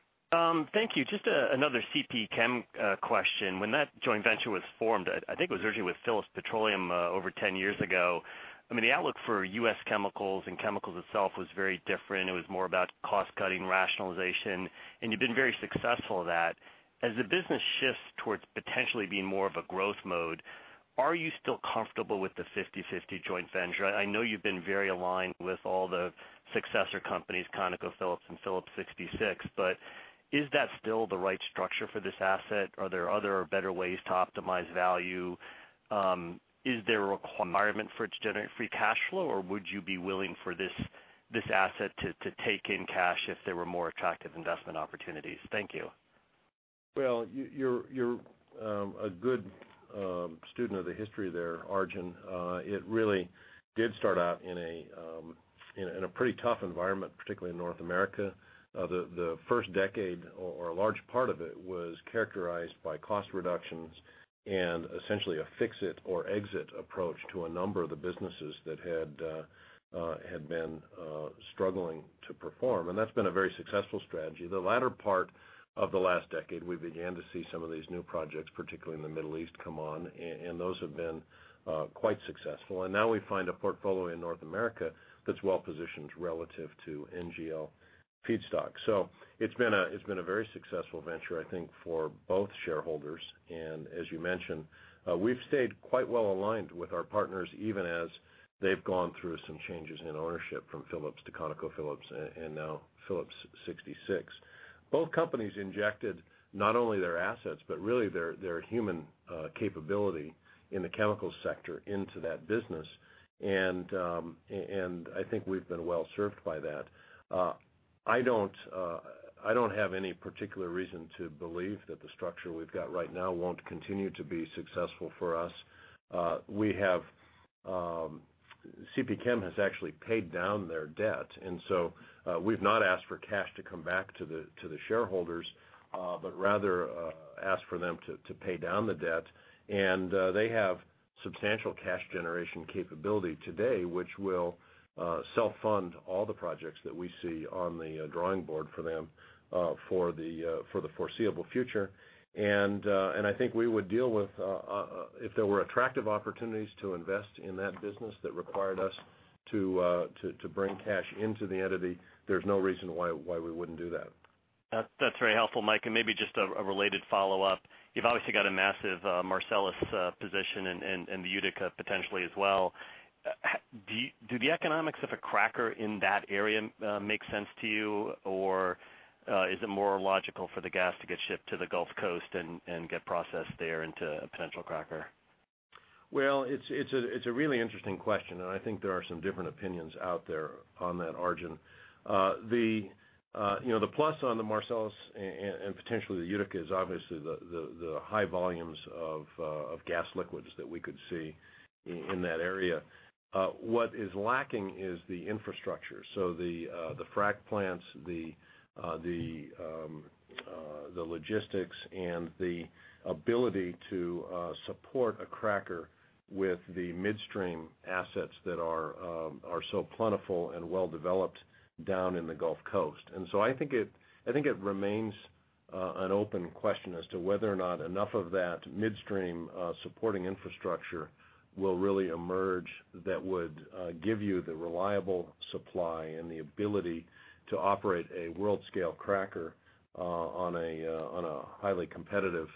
Thank you. Just another CP Chem question. When that joint venture was formed, I think it was originally with Phillips Petroleum over 10 years ago. I mean, the outlook for U.S. chemicals and chemicals itself was very different. It was more about cost cutting rationalization, and you've been very successful at that. As the business shifts towards potentially being more of a growth mode, are you still comfortable with the 50/50 joint venture? I know you've been very aligned with all the successor companies, ConocoPhillips and Phillips 66, but is that still the right structure for this asset? Are there other or better ways to optimize value? Is there a requirement for it to generate free cash flow, or would you be willing for this asset to take in cash if there were more attractive investment opportunities? Thank you. Well, you're a good student of the history there, Arjun. It really did start out in a pretty tough environment, particularly in North America. The first decade or a large part of it was characterized by cost reductions and essentially a fix it or exit approach to a number of the businesses that had been struggling to perform. That's been a very successful strategy. The latter part of the last decade, we began to see some of these new projects, particularly in the Middle East, come on, and those have been quite successful. Now we find a portfolio in North America that's well positioned relative to NGL feedstock. It's been a very successful venture, I think, for both shareholders. As you mentioned, we've stayed quite well aligned with our partners, even as they've gone through some changes in ownership from Phillips to ConocoPhillips and now Phillips 66. Both companies injected not only their assets, but really their human capability in the chemical sector into that business. I think we've been well-served by that. I don't have any particular reason to believe that the structure we've got right now won't continue to be successful for us. CPChem has actually paid down their debt, so we've not asked for cash to come back to the shareholders, but rather asked for them to pay down the debt. They have substantial cash generation capability today, which will self-fund all the projects that we see on the drawing board for them for the foreseeable future. I think we would deal with, if there were attractive opportunities to invest in that business that required us to bring cash into the entity, there's no reason why we wouldn't do that. That's very helpful, Mike. Maybe just a related follow-up. You've obviously got a massive Marcellus position and the Utica potentially as well. Do the economics of a cracker in that area make sense to you, or is it more logical for the gas to get shipped to the Gulf Coast and get processed there into a potential cracker? Well, it's a really interesting question, I think there are some different opinions out there on that, Arjun. The plus on the Marcellus and potentially the Utica is obviously the high volumes of gas liquids that we could see in that area. What is lacking is the infrastructure. The frack plants, the logistics, and the ability to support a cracker with the midstream assets that are so plentiful and well-developed down in the Gulf Coast. I think it remains an open question as to whether or not enough of that midstream supporting infrastructure will really emerge that would give you the reliable supply and the ability to operate a world-scale cracker on a highly competitive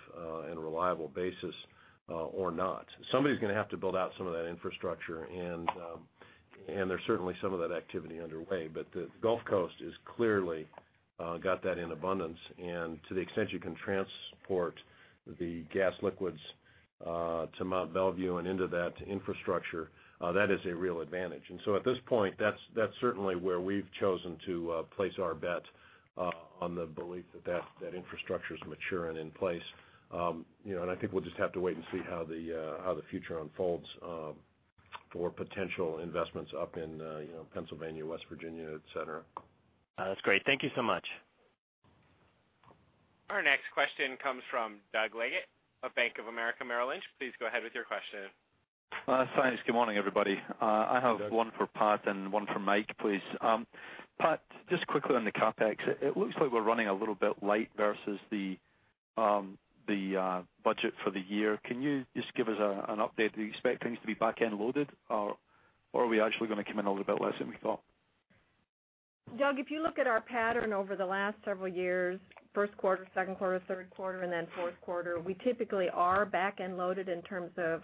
and reliable basis or not. Somebody's going to have to build out some of that infrastructure, there's certainly some of that activity underway. The Gulf Coast has clearly got that in abundance. To the extent you can transport the gas liquids to Mont Belvieu and into that infrastructure, that is a real advantage. At this point, that's certainly where we've chosen to place our bet on the belief that infrastructure's mature and in place. I think we'll just have to wait and see how the future unfolds for potential investments up in Pennsylvania, West Virginia, et cetera. That's great. Thank you so much. Our next question comes from Douglas Leggate of Bank of America Merrill Lynch. Please go ahead with your question. Thanks. Good morning, everybody. Hi, Doug. I have one for Pat and one for Mike, please. Pat, just quickly on the CapEx, it looks like we're running a little bit light versus the budget for the year. Can you just give us an update? Do you expect things to be back-end loaded, or are we actually going to come in a little bit less than we thought? Doug, if you look at our pattern over the last several years, first quarter, second quarter, third quarter, and then fourth quarter, we typically are back-end loaded in terms of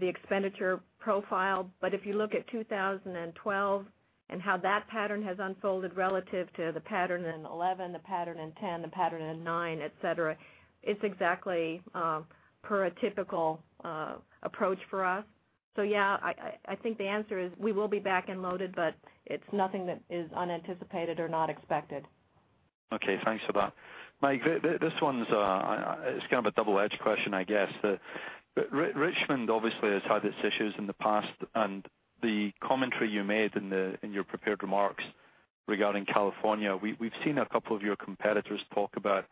the expenditure profile. If you look at 2012 and how that pattern has unfolded relative to the pattern in 2011, the pattern in 2010, the pattern in 2009, et cetera, it's exactly per a typical approach for us. Yeah, I think the answer is we will be back-end loaded, it's nothing that is unanticipated or not expected. Okay, thanks for that. Mike, this one's kind of a double-edged question, I guess. Richmond obviously has had its issues in the past. The commentary you made in your prepared remarks regarding California. We've seen a couple of your competitors talk about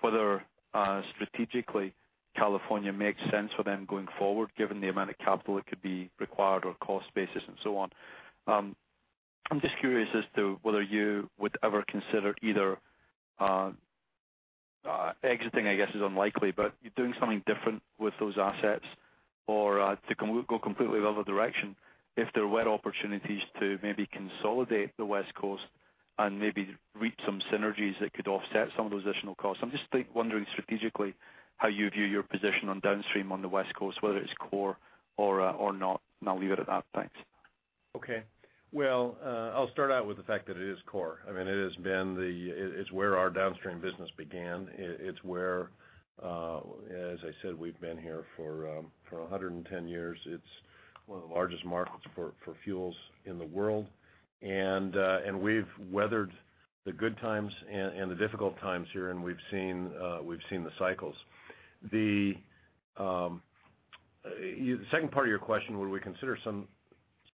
whether strategically California makes sense for them going forward, given the amount of capital it could be required or cost basis and so on. I'm just curious as to whether you would ever consider either exiting, I guess is unlikely, but you're doing something different with those assets. To go completely the other direction, if there were opportunities to maybe consolidate the West Coast and maybe reap some synergies that could offset some of those additional costs. I'm just wondering strategically how you view your position on downstream on the West Coast, whether it's core or not, and I'll leave it at that. Thanks. Okay. Well, I'll start out with the fact that it is core. It's where our downstream business began. As I said, we've been here for 110 years. It's one of the largest markets for fuels in the world. We've weathered the good times and the difficult times here, and we've seen the cycles. The second part of your question, would we consider some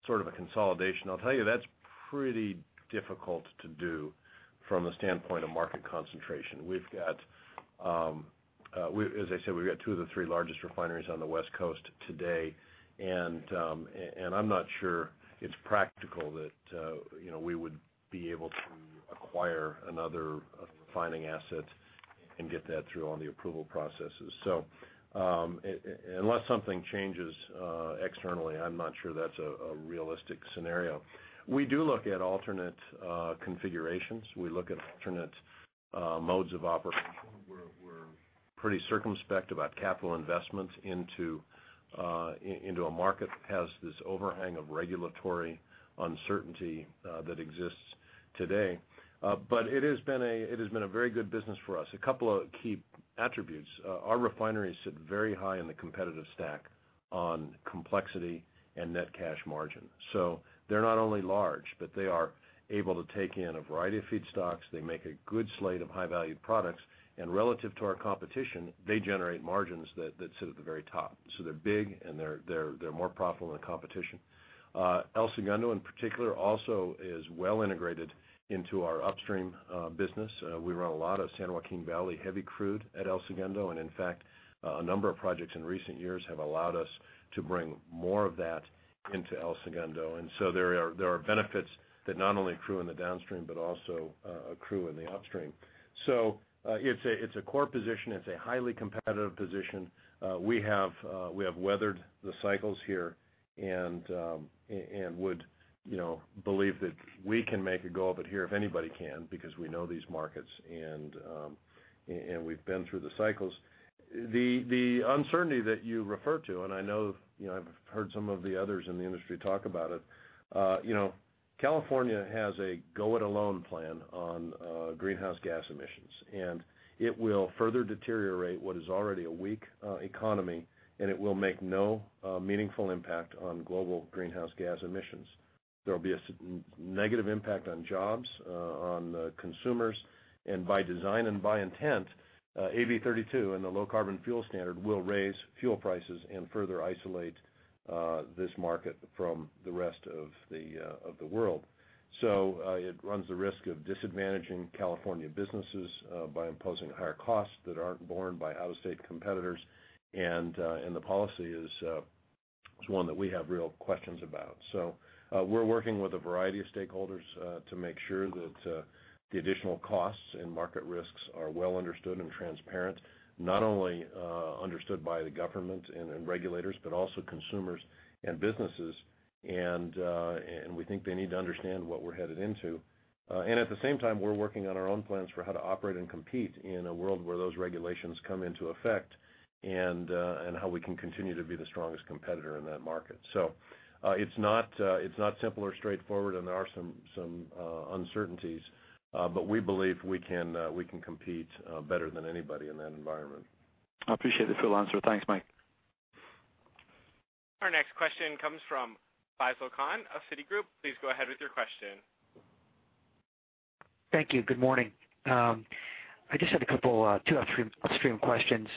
sort of a consolidation? I'll tell you, that's pretty difficult to do from a standpoint of market concentration. As I said, we've got two of the three largest refineries on the West Coast today, and I'm not sure it's practical that we would be able to acquire another refining asset and get that through all the approval processes. Unless something changes externally, I'm not sure that's a realistic scenario. We do look at alternate configurations. We look at alternate modes of operation. We're pretty circumspect about capital investments into a market that has this overhang of regulatory uncertainty that exists today. It has been a very good business for us. A couple of key attributes. Our refineries sit very high in the competitive stack on complexity and net cash margin. They're not only large, but they are able to take in a variety of feedstocks. They make a good slate of high-value products, and relative to our competition, they generate margins that sit at the very top. They're big, and they're more profitable than competition. El Segundo in particular also is well integrated into our upstream business. We run a lot of San Joaquin Valley heavy crude at El Segundo, and in fact, a number of projects in recent years have allowed us to bring more of that into El Segundo. There are benefits that not only accrue in the downstream but also accrue in the upstream. It's a core position. It's a highly competitive position. We have weathered the cycles here and would believe that we can make a go of it here if anybody can because we know these markets, and we've been through the cycles. The uncertainty that you refer to, and I know I've heard some of the others in the industry talk about it. You know California has a go-it-alone plan on greenhouse gas emissions, and it will further deteriorate what is already a weak economy, and it will make no meaningful impact on global greenhouse gas emissions. There will be a negative impact on jobs, on consumers, and by design and by intent, AB 32 and the Low Carbon Fuel Standard will raise fuel prices and further isolate this market from the rest of the world. It runs the risk of disadvantaging California businesses by imposing higher costs that aren't borne by out-of-state competitors, and the policy is one that we have real questions about. We're working with a variety of stakeholders to make sure that the additional costs and market risks are well understood and transparent, not only understood by the government and regulators, but also consumers and businesses. We think they need to understand what we're headed into. At the same time, we're working on our own plans for how to operate and compete in a world where those regulations come into effect and how we can continue to be the strongest competitor in that market. It's not simple or straightforward, and there are some uncertainties. We believe we can compete better than anybody in that environment. I appreciate the full answer. Thanks, Mike. Our next question comes from Faisel Khan of Citigroup. Please go ahead with your question. Thank you. Good morning. I just had a couple, two upstream questions.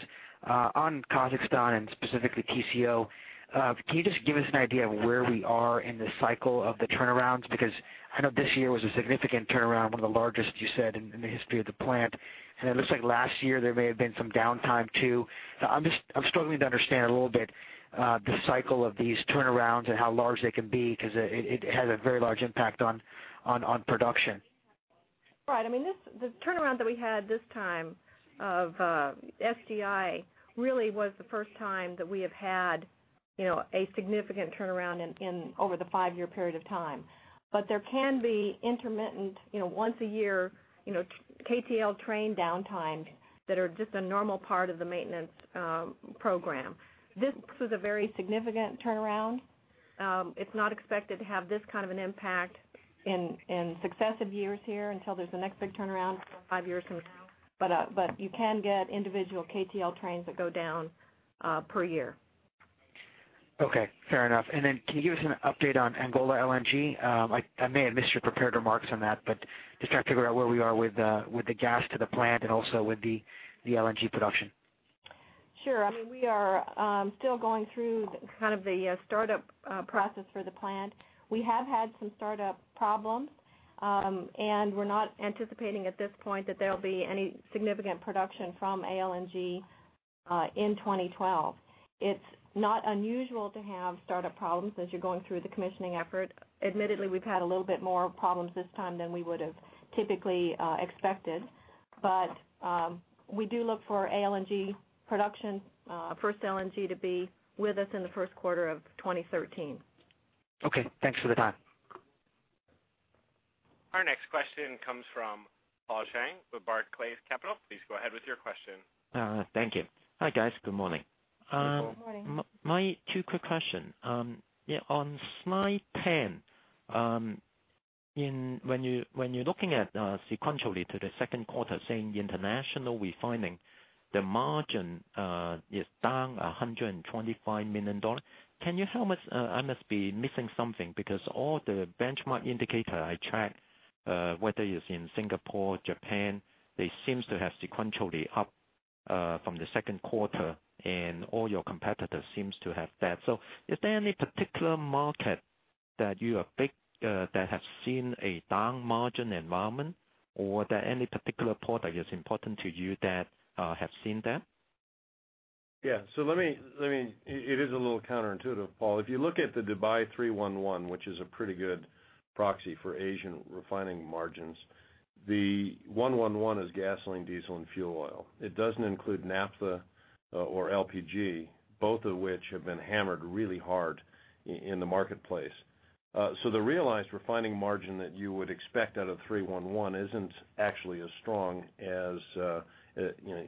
On Kazakhstan, and specifically TCO, can you just give us an idea of where we are in the cycle of the turnarounds? Because I know this year was a significant turnaround, one of the largest, you said, in the history of the plant. It looks like last year there may have been some downtime too. I'm struggling to understand a little bit the cycle of these turnarounds and how large they can be because it has a very large impact on production. Right. The turnaround that we had this time of SGP really was the first time that we have had a significant turnaround over the five-year period of time. There can be intermittent once-a-year KTL train downtimes that are just a normal part of the maintenance program. This was a very significant turnaround. It's not expected to have this kind of an impact in successive years here until there's the next big turnaround five years from now. You can get individual KTL trains that go down per year. Okay, fair enough. Can you give us an update on Angola LNG? I may have missed your prepared remarks on that, but just trying to figure out where we are with the gas to the plant and also with the LNG production. Sure. We are still going through the startup process for the plant. We have had some startup problems. We're not anticipating at this point that there'll be any significant production from ALNG in 2012. It's not unusual to have startup problems as you're going through the commissioning effort. Admittedly, we've had a little bit more problems this time than we would have typically expected. We do look for ALNG production, first LNG to be with us in the first quarter of 2013. Okay. Thanks for the time. Our next question comes from Paul Cheng with Barclays Capital. Please go ahead with your question. Thank you. Hi, guys. Good morning. Good morning. My two quick question. On slide 10, when you're looking at sequentially to the second quarter saying international refining, the margin is down $125 million. I must be missing something because all the benchmark indicator I track, whether it's in Singapore, Japan, they seems to have sequentially up from the second quarter, and all your competitors seems to have that. Is there any particular market that you affect that has seen a down margin environment? Or are there any particular product is important to you that have seen that? It is a little counterintuitive, Paul. If you look at the Dubai 3-1-1, which is a pretty good proxy for Asian refining margins, the 3-2-1 is gasoline, diesel, and fuel oil. It doesn't include naphtha or LPG, both of which have been hammered really hard in the marketplace. The realized refining margin that you would expect out of 3-1-1 isn't actually as strong as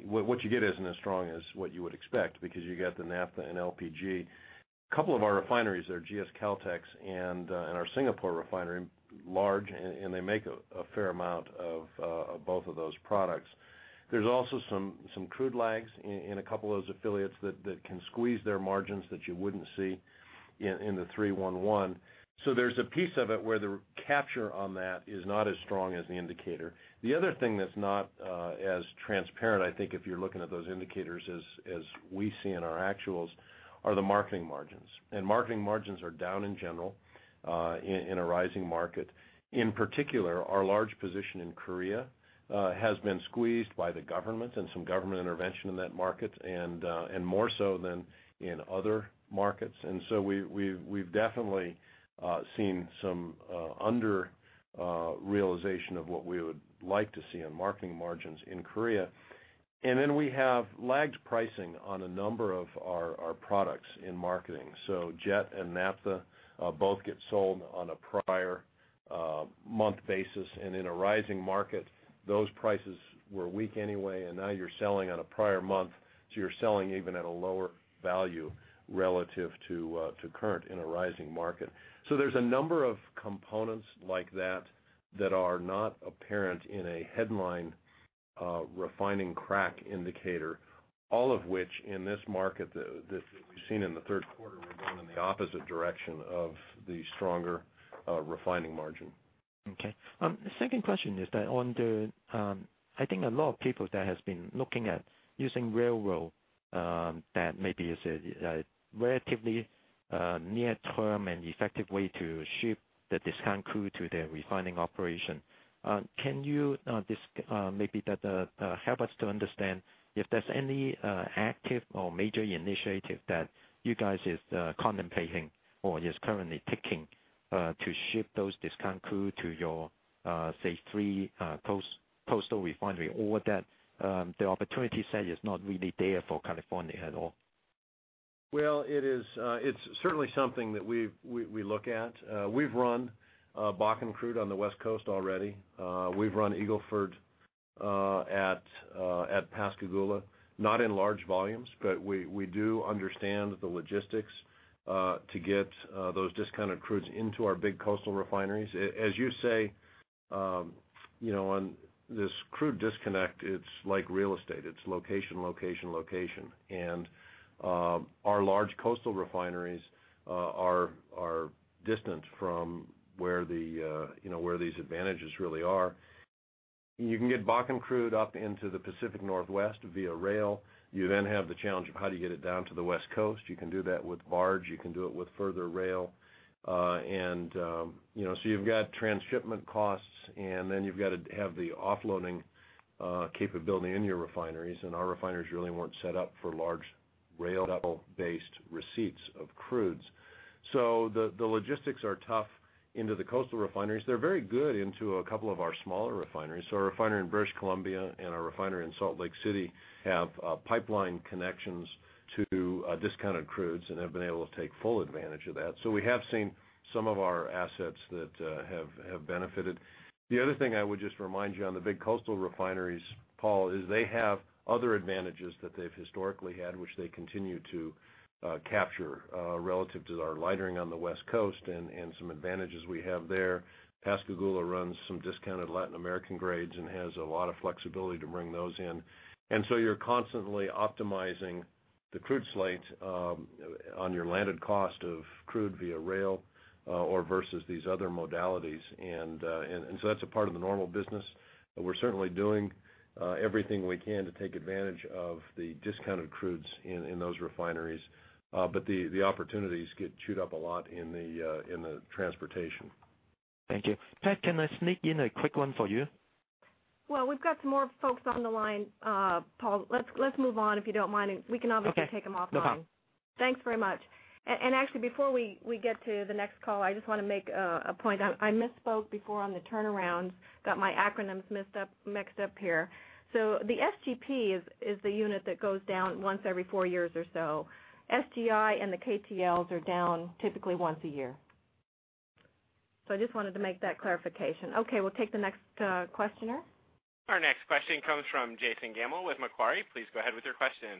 what you get isn't as strong as what you would expect because you got the naphtha and LPG. Couple of our refineries are GS Caltex and our Singapore refinery, large, and they make a fair amount of both of those products. There's also some crude lags in a couple of those affiliates that can squeeze their margins that you wouldn't see in the 3-1-1. There's a piece of it where the capture on that is not as strong as the indicator. The other thing that's not as transparent, I think if you're looking at those indicators as we see in our actuals, are the marketing margins. Marketing margins are down in general in a rising market. In particular, our large position in Korea has been squeezed by the government and some government intervention in that market, and more so than in other markets. We've definitely seen some under realization of what we would like to see on marketing margins in Korea. Then we have lagged pricing on a number of our products in marketing. Jet and naphtha both get sold on a prior month basis. In a rising market, those prices were weak anyway, and now you're selling on a prior month, so you're selling even at a lower value relative to current in a rising market. There's a number of components like that that are not apparent in a headline refining crack indicator, all of which in this market that we've seen in the third quarter were going in the opposite direction of the stronger refining margin. Okay. The second question is that on the I think a lot of people that have been looking at using railroad, that maybe is a relatively near-term and effective way to ship the discount crude to their refining operation. Can you maybe help us to understand if there's any active or major initiative that you guys are contemplating or are currently taking to ship those discount crude to your, say, three coastal refineries, or that the opportunity set is not really there for California at all? Well, it's certainly something that we look at. We've run Bakken crude on the West Coast already. We've run Eagle Ford at Pascagoula, not in large volumes, but we do understand the logistics to get those discounted crudes into our big coastal refineries. As you say, on this crude disconnect, it's like real estate. It's location, location. Our large coastal refineries are distant from where these advantages really are. You can get Bakken crude up into the Pacific Northwest via rail. You then have the challenge of how do you get it down to the West Coast. You can do that with barge. You can do it with further rail. You've got transshipment costs, and then you've got to have the offloading capability in your refineries, and our refineries really weren't set up for large rail-level based receipts of crudes. The logistics are tough into the coastal refineries. They're very good into a couple of our smaller refineries. Our refinery in British Columbia and our refinery in Salt Lake City have pipeline connections to discounted crudes and have been able to take full advantage of that. We have seen some of our assets that have benefited. The other thing I would just remind you on the big coastal refineries, Paul, is they have other advantages that they've historically had, which they continue to capture relative to our lightering on the West Coast and some advantages we have there. Pascagoula runs some discounted Latin American grades and has a lot of flexibility to bring those in. You're constantly optimizing the crude slate on your landed cost of crude via rail or versus these other modalities. That's a part of the normal business. We're certainly doing everything we can to take advantage of the discounted crudes in those refineries. The opportunities get chewed up a lot in the transportation. Thank you. Pat, can I sneak in a quick one for you? Well, we've got some more folks on the line, Paul. Let's move on, if you don't mind, we can obviously take them offline. Okay. No problem. Thanks very much. Actually, before we get to the next call, I just want to make a point. I misspoke before on the turnarounds, got my acronyms mixed up here. The SGP is the unit that goes down once every four years or so. SGI and the KTLs are down typically once a year. I just wanted to make that clarification. Okay, we'll take the next questioner. Our next question comes from Jason Gammel with Macquarie. Please go ahead with your question.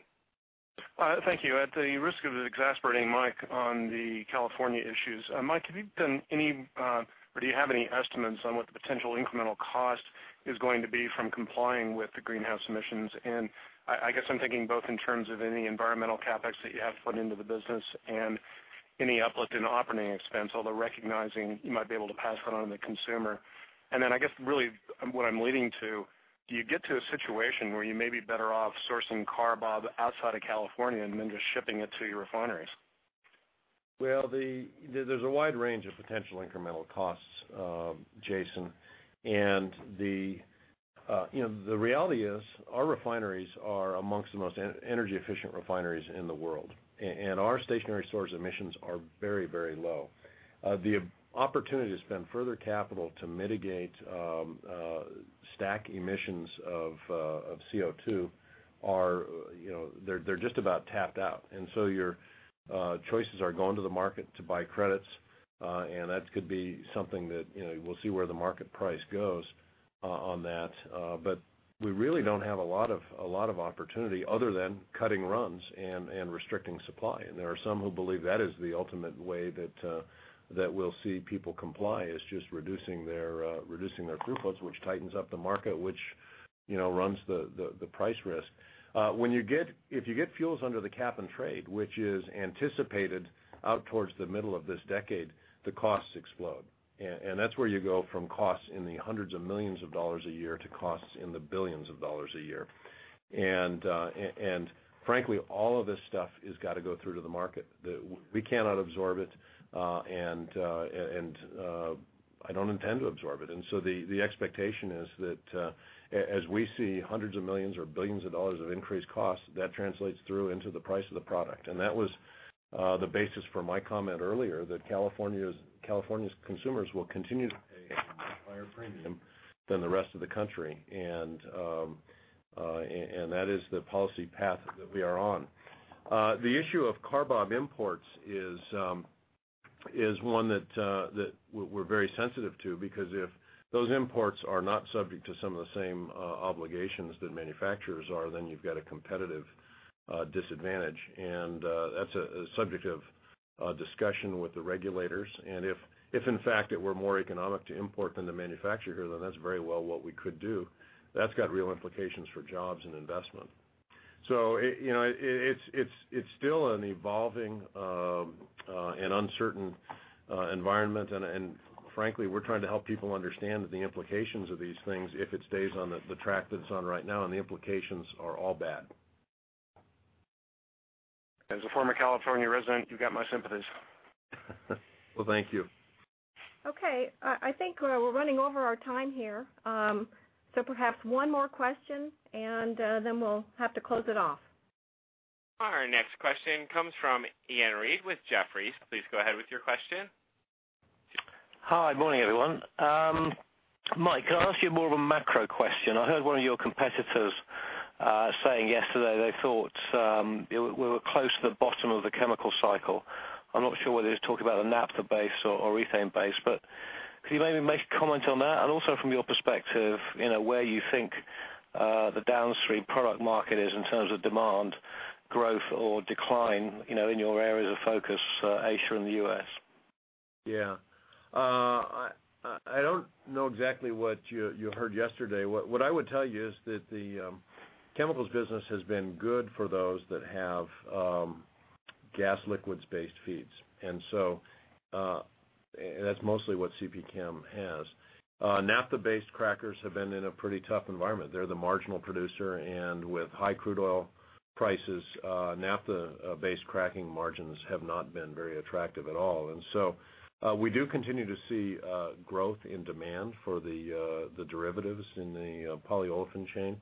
Thank you. At the risk of exasperating Mike on the California issues, Mike, have you done any or do you have any estimates on what the potential incremental cost is going to be from complying with the greenhouse emissions? I guess I'm thinking both in terms of any environmental CapEx that you have to put into the business and any uplift in operating expense, although recognizing you might be able to pass that on to the consumer. I guess really what I'm leading to, do you get to a situation where you may be better off sourcing CARBOB outside of California and then just shipping it to your refineries? Well, there's a wide range of potential incremental costs, Jason. The reality is our refineries are amongst the most energy efficient refineries in the world. Our stationary source emissions are very low. The opportunity to spend further capital to mitigate stack emissions of CO2 are just about tapped out. Your choices are going to the market to buy credits, and that could be something that we'll see where the market price goes on that. We really don't have a lot of opportunity other than cutting runs and restricting supply. There are some who believe that is the ultimate way that we'll see people comply is just reducing their crude loads, which tightens up the market, which runs the price risk. If you get fuels under the Cap-and-Trade, which is anticipated out towards the middle of this decade, the costs explode. That's where you go from costs in the $hundreds of millions a year to costs in the $billions a year. Frankly, all of this stuff has got to go through to the market. We cannot absorb it, and I don't intend to absorb it. The expectation is that as we see $hundreds of millions or billions of increased costs, that translates through into the price of the product. That was the basis for my comment earlier that California's consumers will continue to pay a higher premium than the rest of the country. That is the policy path that we are on. The issue of CARBOB imports is one that we're very sensitive to because if those imports are not subject to some of the same obligations that manufacturers are, then you've got a competitive disadvantage. That's a subject of A discussion with the regulators, and if in fact it were more economic to import than to manufacture here, then that's very well what we could do. That's got real implications for jobs and investment. It's still an evolving and uncertain environment, and frankly, we're trying to help people understand the implications of these things if it stays on the track that it's on right now, and the implications are all bad. As a former California resident, you've got my sympathies. Well, thank you. Okay. I think we're running over our time here. Perhaps one more question, and then we'll have to close it off. Our next question comes from Iain Reid with Jefferies. Please go ahead with your question. Hi. Morning, everyone. Mike, can I ask you more of a macro question? I heard one of your competitors saying yesterday they thought we were close to the bottom of the chemical cycle. I'm not sure whether he was talking about the naphtha base or ethane base, could you maybe make a comment on that? Also from your perspective, where you think the downstream product market is in terms of demand growth or decline in your areas of focus, Asia and the U.S. Yeah. I don't know exactly what you heard yesterday. What I would tell you is that the chemicals business has been good for those that have gas liquids-based feeds. That's mostly what CPChem has. Naphtha-based crackers have been in a pretty tough environment. They're the marginal producer, and with high crude oil prices, naphtha-based cracking margins have not been very attractive at all. We do continue to see growth in demand for the derivatives in the polyolefin chain.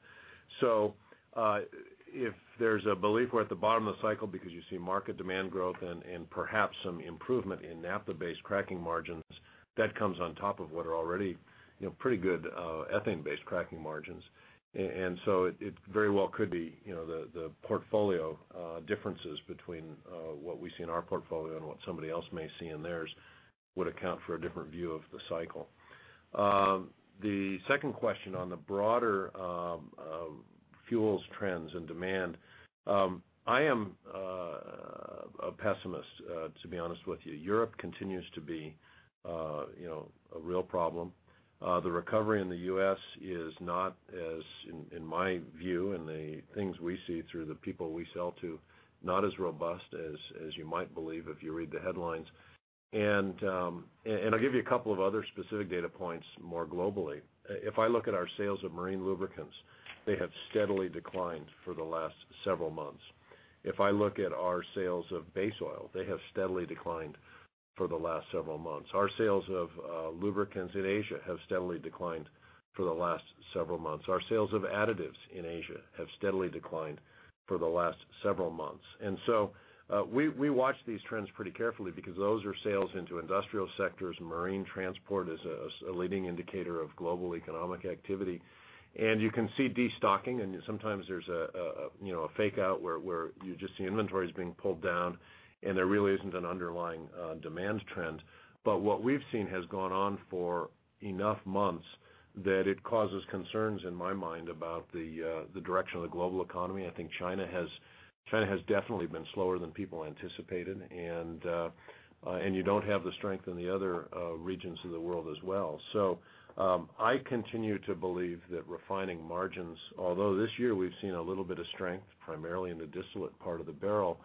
If there's a belief we're at the bottom of the cycle because you see market demand growth and perhaps some improvement in naphtha-based cracking margins, that comes on top of what are already pretty good ethane-based cracking margins. It very well could be the portfolio differences between what we see in our portfolio and what somebody else may see in theirs would account for a different view of the cycle. The second question on the broader fuels trends and demand. I am a pessimist, to be honest with you. Europe continues to be a real problem. The recovery in the U.S. is not as, in my view and the things we see through the people we sell to, not as robust as you might believe if you read the headlines. I'll give you a couple of other specific data points more globally. If I look at our sales of marine lubricants, they have steadily declined for the last several months. If I look at our sales of base oil, they have steadily declined for the last several months. Our sales of lubricants in Asia have steadily declined for the last several months. Our sales of additives in Asia have steadily declined for the last several months. We watch these trends pretty carefully because those are sales into industrial sectors. Marine transport is a leading indicator of global economic activity. You can see destocking, and sometimes there's a fake-out where you just see inventories being pulled down, and there really isn't an underlying demand trend. What we've seen has gone on for enough months that it causes concerns in my mind about the direction of the global economy. I think China has definitely been slower than people anticipated, and you don't have the strength in the other regions of the world as well. I continue to believe that refining margins, although this year we've seen a little bit of strength, primarily in the distillate part of the barrel,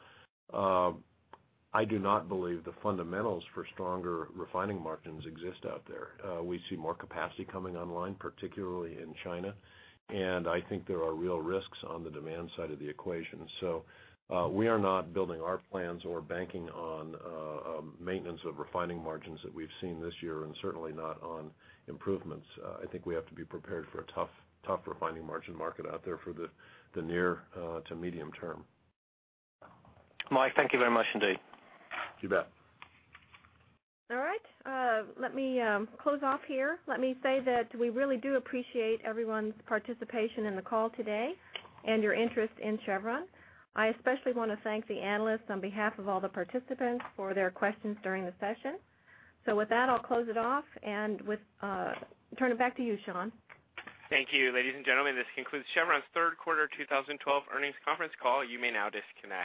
I do not believe the fundamentals for stronger refining margins exist out there. We see more capacity coming online, particularly in China, and I think there are real risks on the demand side of the equation. We are not building our plans or banking on maintenance of refining margins that we've seen this year, and certainly not on improvements. I think we have to be prepared for a tough refining margin market out there for the near to medium term. Mike, thank you very much indeed. You bet. All right. Let me close off here. Let me say that we really do appreciate everyone's participation in the call today and your interest in Chevron. I especially want to thank the analysts on behalf of all the participants for their questions during the session. With that, I'll close it off and turn it back to you, Sean. Thank you, ladies and gentlemen. This concludes Chevron's third quarter 2012 earnings conference call. You may now disconnect.